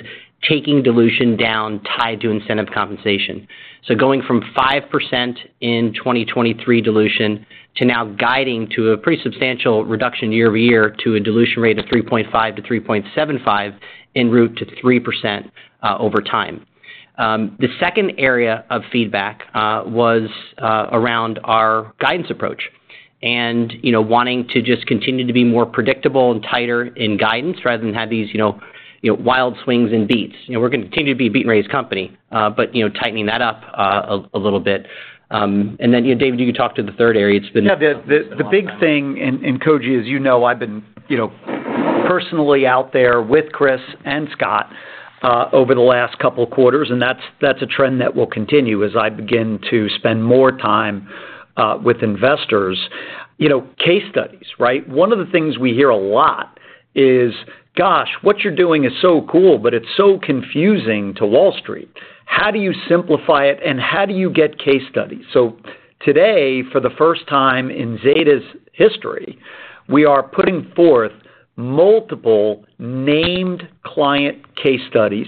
taking dilution down, tied to incentive compensation. So going from 5% in 2023 dilution to now guiding to a pretty substantial reduction year over year, to a dilution rate of 3.5%-3.75%, en route to 3% over time. The second area of feedback was around our guidance approach.... And, you know, wanting to just continue to be more predictable and tighter in guidance rather than have these, you know, you know, wild swings and beats. You know, we're gonna continue to be a beat and raise company, but, you know, tightening that up, a little bit. And then, David, you can talk to the third area. It's been- Yeah, the big thing in Koji, as you know, I've been, you know, personally out there with Chris and Scott over the last couple of quarters, and that's a trend that will continue as I begin to spend more time with investors. You know, case studies, right? One of the things we hear a lot is, "Gosh, what you're doing is so cool, but it's so confusing to Wall Street. How do you simplify it, and how do you get case studies?" So today, for the first time in Zeta's history, we are putting forth multiple named client case studies,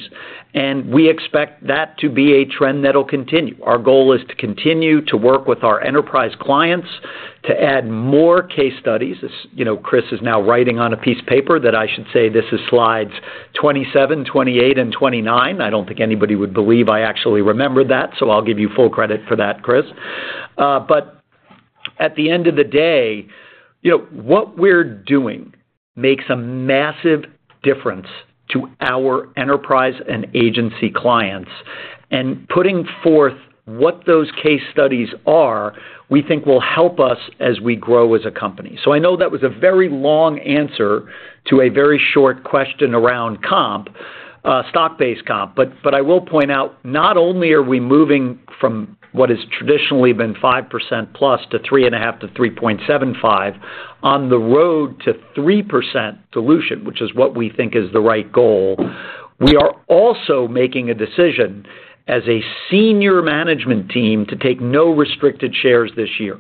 and we expect that to be a trend that'll continue. Our goal is to continue to work with our enterprise clients to add more case studies. As you know, Chris is now writing on a piece of paper that I should say, this is slides 27, 28, and 29. I don't think anybody would believe I actually remembered that, so I'll give you full credit for that, Chris. But at the end of the day, you know, what we're doing makes a massive difference to our enterprise and agency clients. And putting forth what those case studies are, we think will help us as we grow as a company. So I know that was a very long answer to a very short question around comp, stock-based comp. But, but I will point out, not only are we moving from what has traditionally been 5%+ to 3.5 to 3.75, on the road to 3% dilution, which is what we think is the right goal, we are also making a decision as a senior management team to take no restricted shares this year.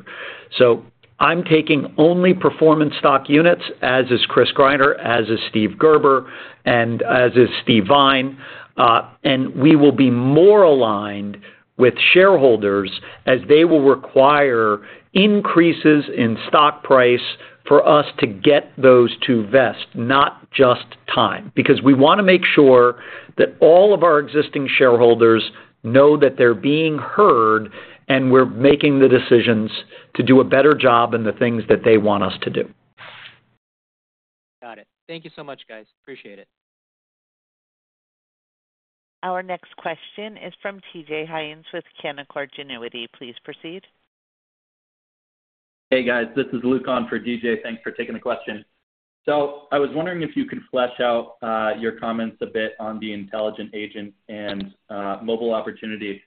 So I'm taking only performance stock units, as is Chris Greiner, as is Steve Gerber, and as is Steve Vine. And we will be more aligned with shareholders as they will require increases in stock price for us to get those to vest, not just time. Because we wanna make sure that all of our existing shareholders know that they're being heard, and we're making the decisions to do a better job in the things that they want us to do. Got it. Thank you so much, guys. Appreciate it. Our next question is from DJ Hynes with Canaccord Genuity. Please proceed. Hey, guys, this is Luke on for DJ. Thanks for taking the question. So I was wondering if you could flesh out your comments a bit on the intelligent agent and mobile opportunity.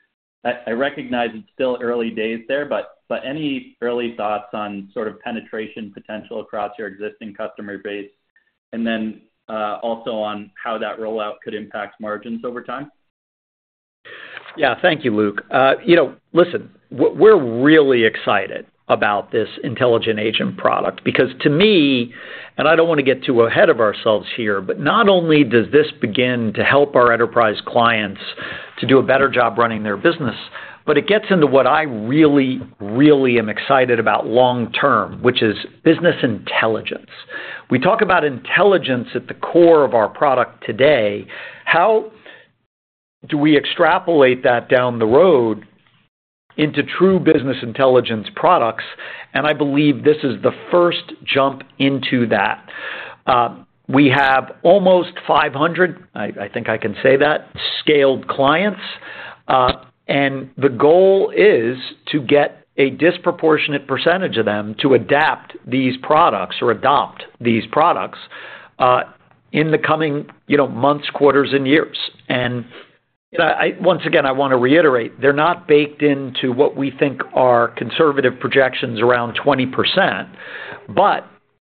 I recognize it's still early days there, but any early thoughts on sort of penetration potential across your existing customer base, and then also on how that rollout could impact margins over time? Yeah, thank you, Luke. You know, listen, we're really excited about this intelligent agent product because to me, and I don't wanna get too ahead of ourselves here, but not only does this begin to help our enterprise clients to do a better job running their business, but it gets into what I really, really am excited about long term, which is business intelligence. We talk about intelligence at the core of our product today. How do we extrapolate that down the road into true business intelligence products? And I believe this is the first jump into that. We have almost 500, I think I can say that, Scaled clients, and the goal is to get a disproportionate percentage of them to adapt these products or adopt these products, in the coming, you know, months, quarters, and years. I once again, I wanna reiterate, they're not baked into what we think are conservative projections around 20%, but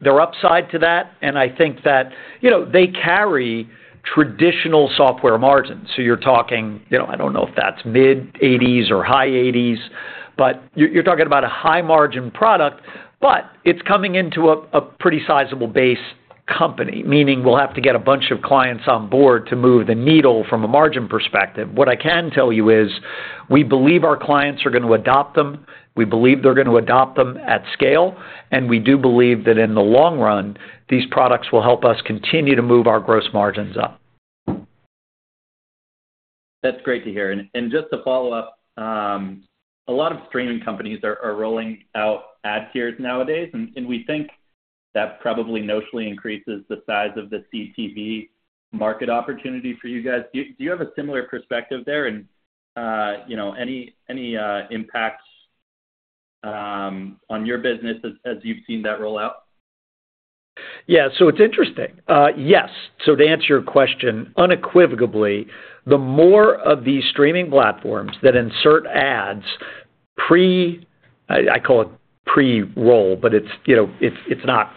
they're upside to that, and I think that, you know, they carry traditional software margins. So you're talking, you know, I don't know if that's mid-80s% or high 80s%, but you're talking about a high-margin product, but it's coming into a pretty sizable base company, meaning we'll have to get a bunch of clients on board to move the needle from a margin perspective. What I can tell you is, we believe our clients are gonna adopt them, we believe they're gonna adopt them at scale, and we do believe that in the long run, these products will help us continue to move our gross margins up. That's great to hear. And just to follow up, a lot of streaming companies are rolling out ad tiers nowadays, and we think that probably notionally increases the size of the CTV market opportunity for you guys. Do you have a similar perspective there, and you know, any impacts on your business as you've seen that roll out? Yeah. So it's interesting. Yes, so to answer your question unequivocally, the more of these streaming platforms that insert ads pre... I call it pre-roll, but it's, you know, it's not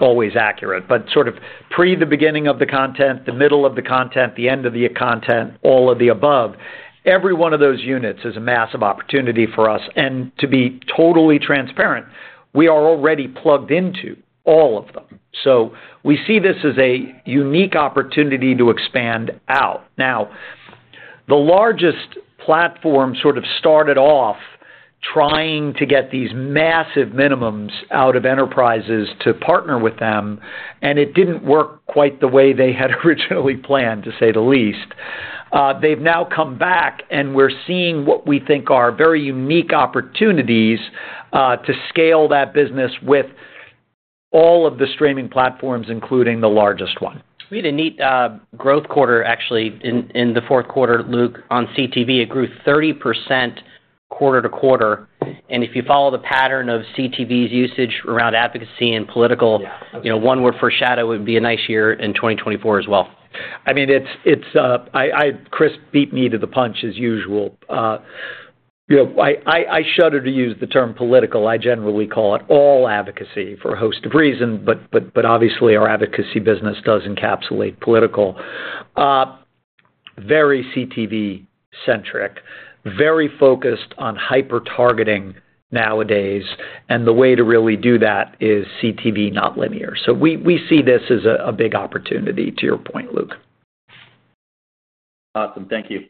always accurate, but sort of pre the beginning of the content, the middle of the content, the end of the content, all of the above, every one of those units is a massive opportunity for us. And to be totally transparent, we are already plugged into all of them. So we see this as a unique opportunity to expand out. Now, the largest platform sort of started off trying to get these massive minimums out of enterprises to partner with them, and it didn't work quite the way they had originally planned, to say the least. They've now come back, and we're seeing what we think are very unique opportunities to scale that business with all of the streaming platforms, including the largest one. We had a neat growth quarter, actually, in the fourth quarter, Luke, on CTV. It grew 30% quarter-over-quarter. And if you follow the pattern of CTV's usage around advocacy and political- Yeah. You know, I won't foreshadow, it would be a nice year in 2024 as well. I mean, it's Chris beat me to the punch as usual. You know, I shudder to use the term political. I generally call it all advocacy for a host of reasons, but obviously, our advocacy business does encapsulate political. Very CTV-centric, very focused on hyper-targeting nowadays, and the way to really do that is CTV, not linear. So we see this as a big opportunity to your point, Luke. Awesome. Thank you.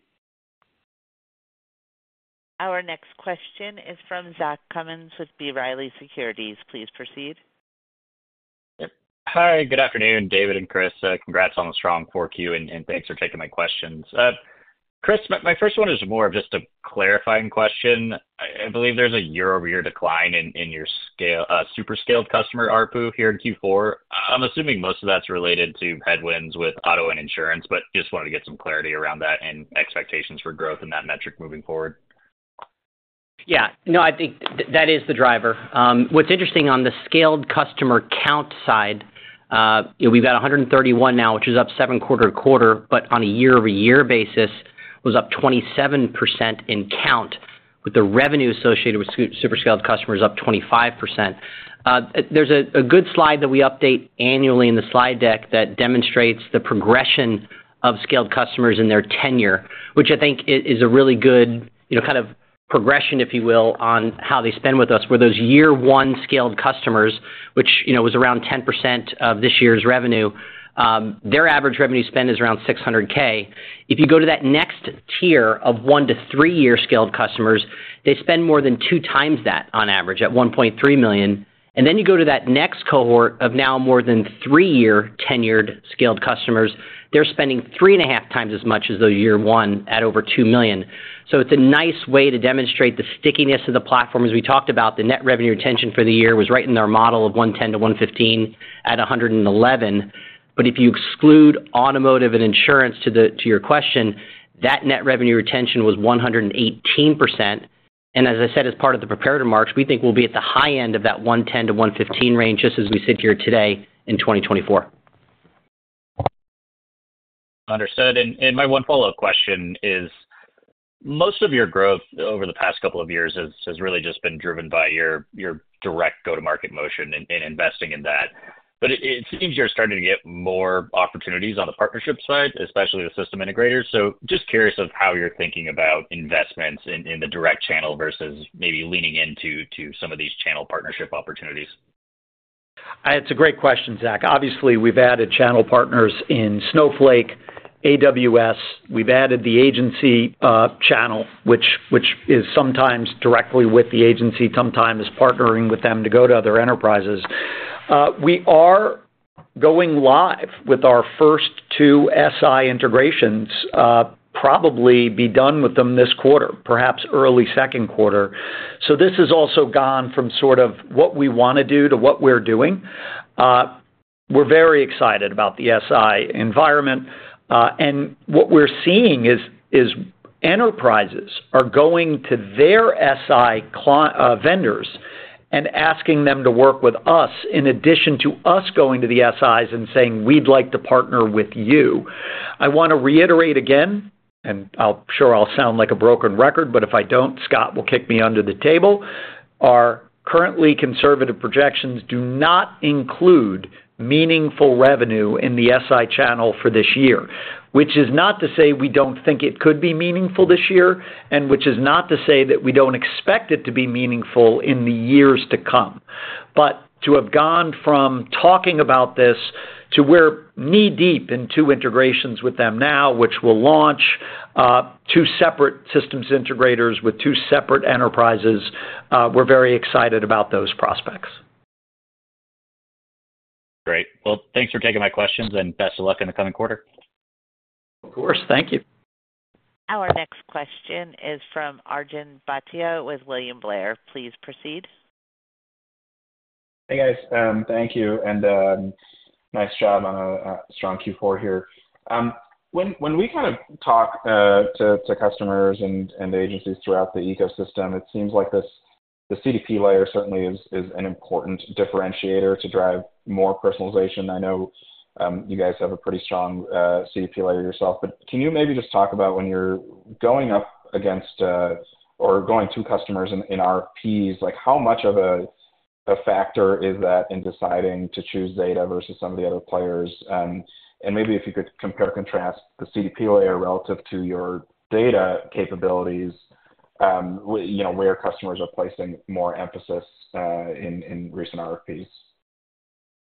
Our next question is from Zach Cummins with B. Riley Securities. Please proceed. Yep. Hi, good afternoon, David and Chris. Congrats on the strong Q4, and thanks for taking my questions. Chris, my first one is more of just a clarifying question. I believe there's a year-over-year decline in your Super Scaled Customer ARPU here in Q4. I'm assuming most of that's related to headwinds with auto and insurance, but just wanted to get some clarity around that and expectations for growth in that metric moving forward. Yeah. No, I think that is the driver. What's interesting on the Scaled Customer count side, we've got 131 now, which is up 7 quarter-to-quarter, but on a year-over-year basis, was up 27% in count, with the revenue associated with Super Scaled Customers up 25%. There's a good slide that we update annually in the slide deck that demonstrates the progression of Scaled Customers and their tenure, which I think is a really good, you know, kind of progression, if you will, on how they spend with us. Where those year one Scaled Customers, which, you know, was around 10% of this year's revenue, their average revenue spend is around $600,000. If you go to that next tier of 1-3-year scaled customers, they spend more than 2 times that on average, at $1.3 million. And then you go to that next cohort of now more than 3-year tenured scaled customers, they're spending 3.5 times as much as the year 1 at over $2 million. So it's a nice way to demonstrate the stickiness of the platform. As we talked about, the net revenue retention for the year was right in our model of 110%-115% at 111%. But if you exclude automotive and insurance to your question, that net revenue retention was 118%. As I said, as part of the prepared remarks, we think we'll be at the high end of that $110-$115 range, just as we sit here today in 2024. Understood. And my one follow-up question is: most of your growth over the past couple of years has really just been driven by your direct go-to-market motion and investing in that. But it seems you're starting to get more opportunities on the partnership side, especially with system integrators. So just curious of how you're thinking about investments in the direct channel versus maybe leaning into some of these channel partnership opportunities. It's a great question, Zach. Obviously, we've added channel partners in Snowflake, AWS. We've added the agency channel, which is sometimes directly with the agency, sometimes partnering with them to go to other enterprises. We are going live with our first two SI integrations, probably be done with them this quarter, perhaps early second quarter. So this has also gone from sort of what we want to do to what we're doing. We're very excited about the SI environment, and what we're seeing is enterprises are going to their SI vendors and asking them to work with us in addition to us going to the SIs and saying, "We'd like to partner with you." I want to reiterate again, and I'll sure I'll sound like a broken record, but if I don't, Scott will kick me under the table. Our currently conservative projections do not include meaningful revenue in the SI channel for this year, which is not to say we don't think it could be meaningful this year, and which is not to say that we don't expect it to be meaningful in the years to come. But to have gone from talking about this to we're knee-deep in two integrations with them now, which will launch, two separate systems integrators with two separate enterprises, we're very excited about those prospects. Great. Well, thanks for taking my questions, and best of luck in the coming quarter. Of course. Thank you. Our next question is from Arjun Bhatia with William Blair. Please proceed. Hey, guys, thank you, and nice job on a strong Q4 here. When we kind of talk to customers and agencies throughout the ecosystem, it seems like the CDP layer certainly is an important differentiator to drive more personalization. I know you guys have a pretty strong CDP layer yourself, but can you maybe just talk about when you're going up against or going to customers in RFPs, like, how much of a factor is that in deciding to choose Zeta versus some of the other players? And maybe if you could compare and contrast the CDP layer relative to your data capabilities, you know, where customers are placing more emphasis in recent RFPs?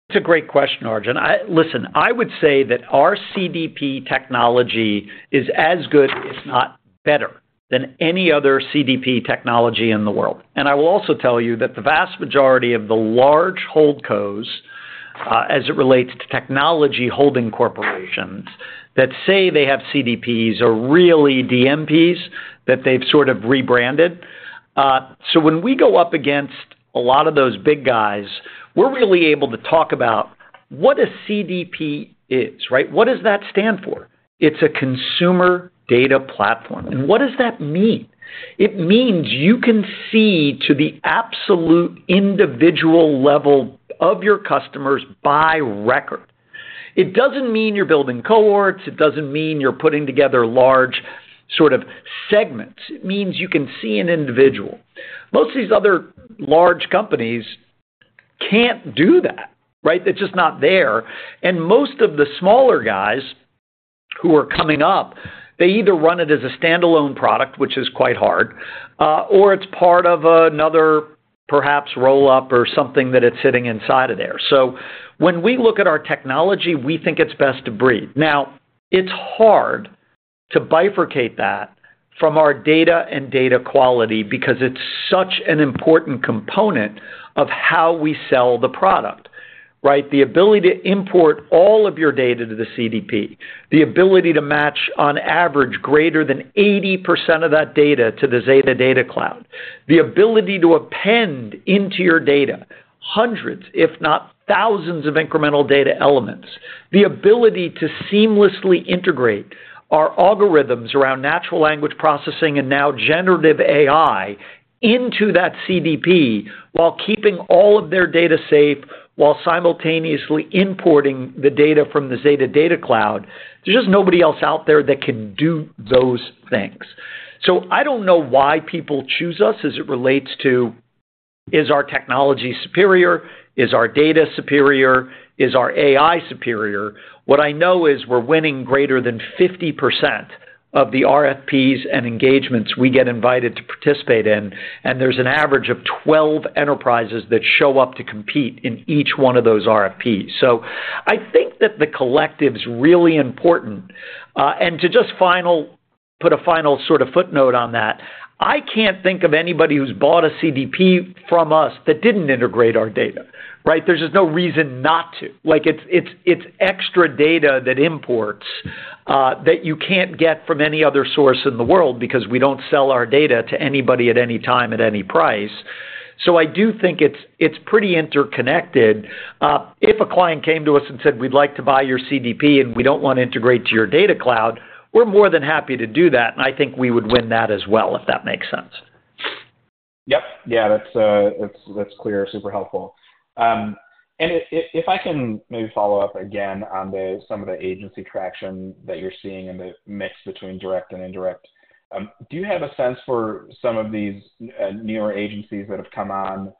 It's a great question, Arjun. Listen, I would say that our CDP technology is as good, if not better, than any other CDP technology in the world. And I will also tell you that the vast majority of the large holdcos, as it relates to technology holding corporations that say they have CDPs are really DMPs that they've sort of rebranded. So when we go up against a lot of those big guys, we're really able to talk about what a CDP is, right? What does that stand for? It's a Customer Data Platform. And what does that mean? It means you can see to the absolute individual level of your customers by record. It doesn't mean you're building cohorts, it doesn't mean you're putting together large sort of segments. It means you can see an individual. Most of these other large companies can't do that, right? They're just not there. Most of the smaller guys who are coming up, they either run it as a standalone product, which is quite hard, or it's part of another, perhaps, roll-up or something that it's sitting inside of there. When we look at our technology, we think it's best of breed. Now, it's hard to bifurcate that from our data and data quality because it's such an important component of how we sell the product, right? The ability to import all of your data to the CDP, the ability to match, on average, greater than 80% of that data to the Zeta Data Cloud, the ability to append into your data hundreds, if not thousands, of incremental data elements, the ability to seamlessly integrate our algorithms around natural language processing and now generative AI into that CDP, while keeping all of their data safe, while simultaneously importing the data from the Zeta Data Cloud, there's just nobody else out there that can do those things. So I don't know why people choose us as it relates to, is our technology superior, is our data superior, is our AI superior? What I know is we're winning greater than 50% of the RFPs and engagements we get invited to participate in, and there's an average of 12 enterprises that show up to compete in each one of those RFPs. So I think that the collective's really important. And to just put a final sort of footnote on that, I can't think of anybody who's bought a CDP from us that didn't integrate our data, right? There's just no reason not to. Like, it's extra data that imports that you can't get from any other source in the world, because we don't sell our data to anybody at any time, at any price. So I do think it's pretty interconnected. If a client came to us and said, "We'd like to buy your CDP, and we don't want to integrate to your data cloud," we're more than happy to do that, and I think we would win that as well, if that makes sense. Yep. Yeah, that's clear. Super helpful. And if I can maybe follow up again on some of the agency traction that you're seeing and the mix between direct and indirect. Do you have a sense for some of these newer agencies that have come on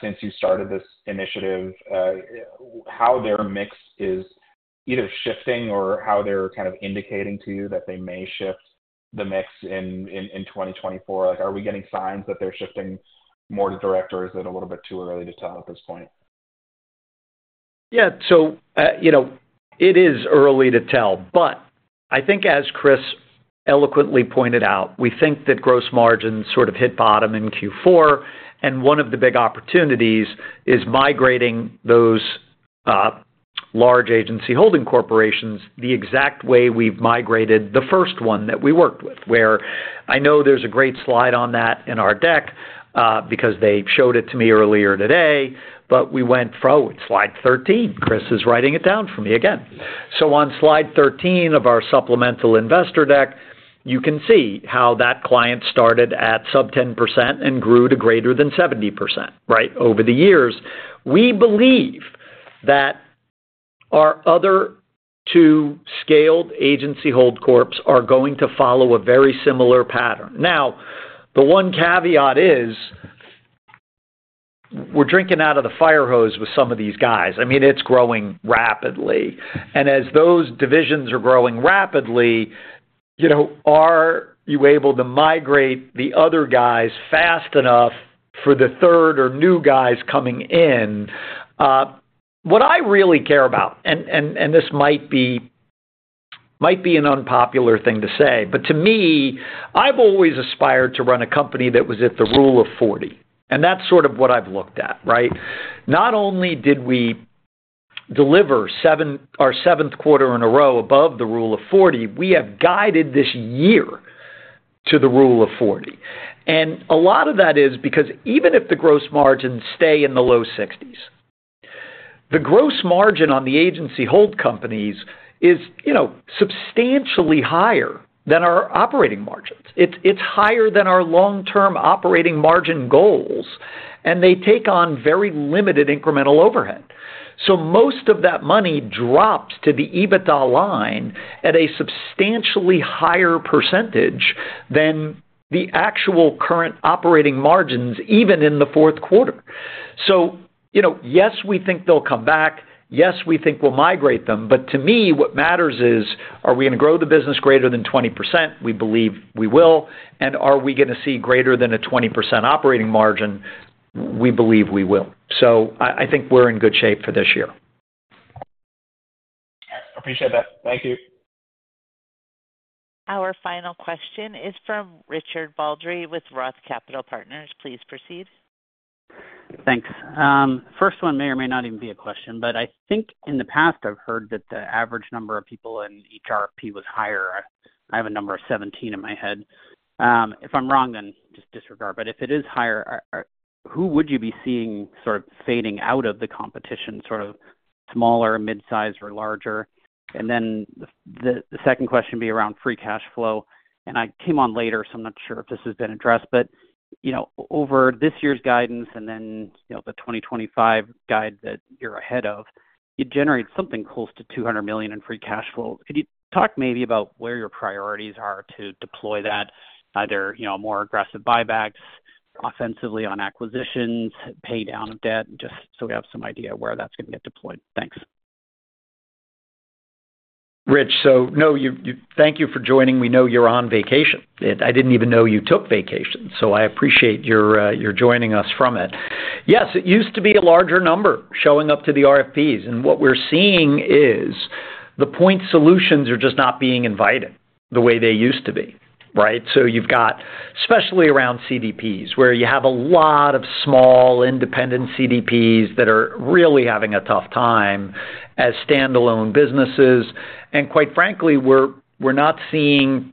since you started this initiative, how their mix is either shifting or how they're kind of indicating to you that they may shift the mix in 2024? Like, are we getting signs that they're shifting more to direct, or is it a little bit too early to tell at this point? Yeah. So, you know, it is early to tell, but I think, as Chris eloquently pointed out, we think that gross margin sort of hit bottom in Q4, and one of the big opportunities is migrating those large agency holding corporations the exact way we've migrated the first one that we worked with, where I know there's a great slide on that in our deck, because they showed it to me earlier today. But we went forward. Slide 13, Chris is writing it down for me again. So on slide 13 of our supplemental investor deck, you can see how that client started at sub-10% and grew to greater than 70%, right, over the years. We believe that our other two scaled agency hold corps are going to follow a very similar pattern. Now, the one caveat is, we're drinking out of the fire hose with some of these guys. I mean, it's growing rapidly. And as those divisions are growing rapidly, you know, are you able to migrate the other guys fast enough for the third or new guys coming in? What I really care about, and this might be an unpopular thing to say, but to me, I've always aspired to run a company that was at the Rule of 40, and that's sort of what I've looked at, right? Not only did we deliver our seventh quarter in a row above the Rule of 40, we have guided this year to the Rule of 40. And a lot of that is because even if the gross margins stay in the low 60s%, the gross margin on the agency hold companies is, you know, substantially higher than our operating margins. It's, it's higher than our long-term operating margin goals, and they take on very limited incremental overhead. So most of that money drops to the EBITDA line at a substantially higher percentage than the actual current operating margins, even in the fourth quarter. So, you know, yes, we think they'll come back. Yes, we think we'll migrate them, but to me, what matters is, are we gonna grow the business greater than 20%? We believe we will. And are we gonna see greater than a 20% operating margin? We believe we will. So I, I think we're in good shape for this year. I appreciate that. Thank you. Our final question is from Richard Baldry with Roth Capital Partners. Please proceed. Thanks. First one may or may not even be a question, but I think in the past, I've heard that the average number of people in each RFP was higher. I have a number of 17 in my head. If I'm wrong, then just disregard. But if it is higher, who would you be seeing sort of fading out of the competition, sort of smaller, mid-size or larger? And then the second question would be around free cash flow. And I came on later, so I'm not sure if this has been addressed, but you know, over this year's guidance and then, you know, the 2025 guide that you're ahead of, you generate something close to $200 million in free cash flow. Could you talk maybe about where your priorities are to deploy that, either, you know, more aggressive buybacks, offensively on acquisitions, pay down of debt, just so we have some idea where that's going to get deployed? Thanks. Rich, so no, you thank you for joining. We know you're on vacation. I didn't even know you took vacations, so I appreciate your, your joining us from it. Yes, it used to be a larger number showing up to the RFPs, and what we're seeing is the point solutions are just not being invited the way they used to be, right? So you've got, especially around CDPs, where you have a lot of small independent CDPs that are really having a tough time as standalone businesses. And quite frankly, we're not seeing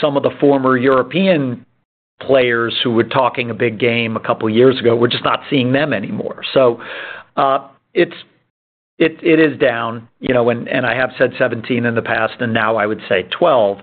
some of the former European players who were talking a big game a couple of years ago. We're just not seeing them anymore. So, it is down, you know, and I have said 17 in the past, and now I would say 12.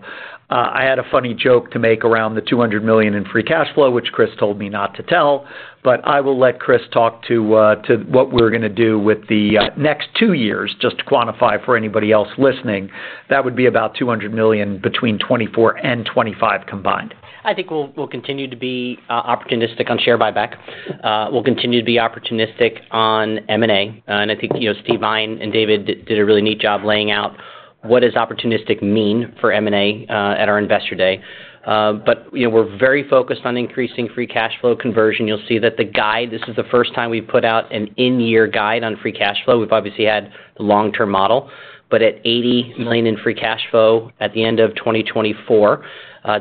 I had a funny joke to make around the $200 million in free cash flow, which Chris told me not to tell, but I will let Chris talk to, to what we're gonna do with the, next two years. Just to quantify for anybody else listening, that would be about $200 million between 2024 and 2025 combined. I think we'll, we'll continue to be opportunistic on share buyback. We'll continue to be opportunistic on M&A, and I think, you know, Steve Vine and David did a really neat job laying out what does opportunistic mean for M&A, at our Investor Day. But, you know, we're very focused on increasing free cash flow conversion. You'll see that the guide, this is the first time we've put out an in-year guide on free cash flow. We've obviously had the long-term model, but at $80 million in free cash flow at the end of 2024,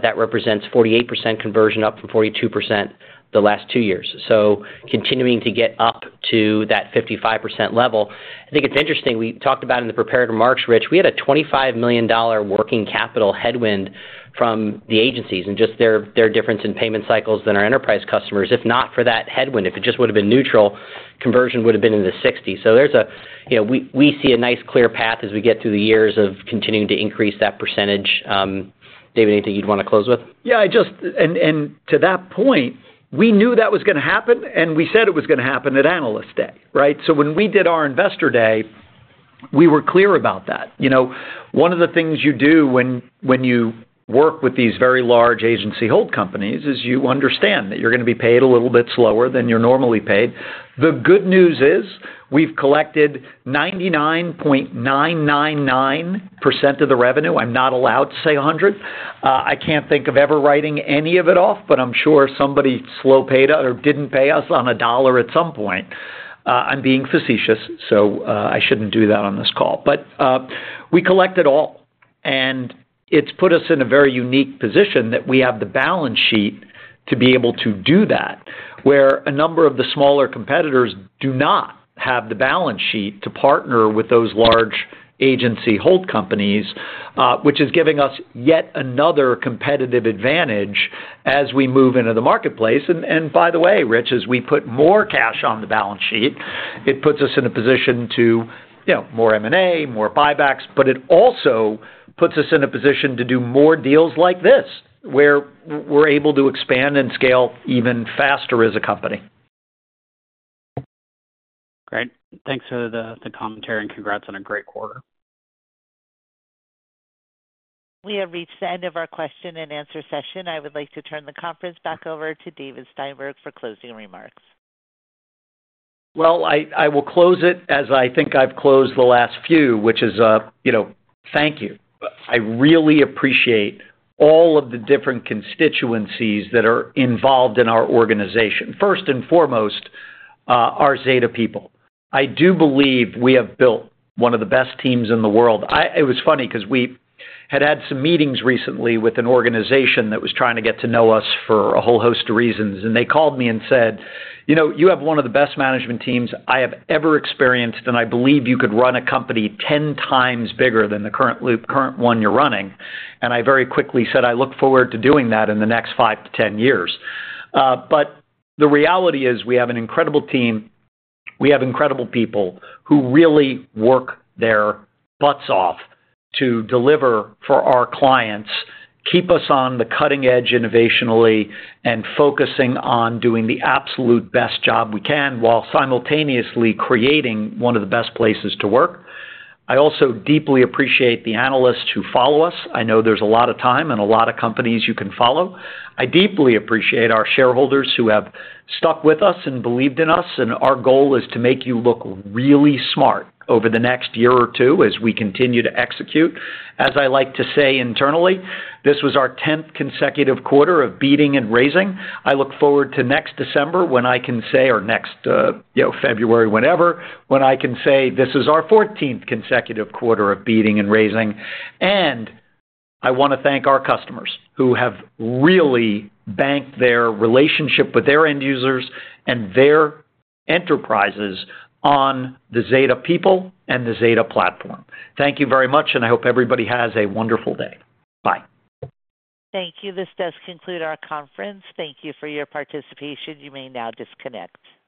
that represents 48% conversion, up from 42% the last two years. So continuing to get up to that 55% level. I think it's interesting. We talked about in the prepared remarks, Rich, we had a $25 million working capital headwind from the agencies and just their, their difference in payment cycles than our enterprise customers. If not for that headwind, if it just would have been neutral, conversion would have been in the 60s. So there's a, you know, we, we see a nice, clear path as we get through the years of continuing to increase that percentage. David, anything you'd want to close with? Yeah, to that point, we knew that was gonna happen, and we said it was gonna happen at Analyst Day, right? So when we did our Investor Day, we were clear about that. You know, one of the things you do when you work with these very large agency hold companies is you understand that you're gonna be paid a little bit slower than you're normally paid. The good news is we've collected 99.999% of the revenue. I'm not allowed to say 100. I can't think of ever writing any of it off, but I'm sure somebody slow paid or didn't pay us on a dollar at some point. I'm being facetious, so I shouldn't do that on this call. But, we collect it all, and it's put us in a very unique position that we have the balance sheet to be able to do that, where a number of the smaller competitors do not have the balance sheet to partner with those large agency holding companies, which is giving us yet another competitive advantage as we move into the marketplace. And by the way, Rich, as we put more cash on the balance sheet, it puts us in a position to, you know, more M&A, more buybacks, but it also puts us in a position to do more deals like this, where we're able to expand and scale even faster as a company. Great. Thanks for the commentary and congrats on a great quarter. We have reached the end of our question-and-answer session. I would like to turn the conference back over to David Steinberg for closing remarks. Well, I will close it as I think I've closed the last few, which is, you know, thank you. I really appreciate all of the different constituencies that are involved in our organization. First and foremost, our Zeta people. I do believe we have built one of the best teams in the world. It was funny because we had had some meetings recently with an organization that was trying to get to know us for a whole host of reasons, and they called me and said, "You know, you have one of the best management teams I have ever experienced, and I believe you could run a company 10 times bigger than the current one you're running." And I very quickly said, "I look forward to doing that in the next 5 to 10 years." But the reality is we have an incredible team. We have incredible people who really work their butts off to deliver for our clients, keep us on the cutting edge innovationally, and focusing on doing the absolute best job we can, while simultaneously creating one of the best places to work. I also deeply appreciate the analysts who follow us. I know there's a lot of time and a lot of companies you can follow. I deeply appreciate our shareholders who have stuck with us and believed in us, and our goal is to make you look really smart over the next year or two as we continue to execute. As I like to say internally, this was our 10th consecutive quarter of beating and raising. I look forward to next December when I can say or next, you know, February, whenever, when I can say this is our 14th consecutive quarter of beating and raising. I want to thank our customers, who have really banked their relationship with their end users and their enterprises on the Zeta people and the Zeta platform. Thank you very much, and I hope everybody has a wonderful day. Bye. Thank you. This does conclude our conference. Thank you for your participation. You may now disconnect.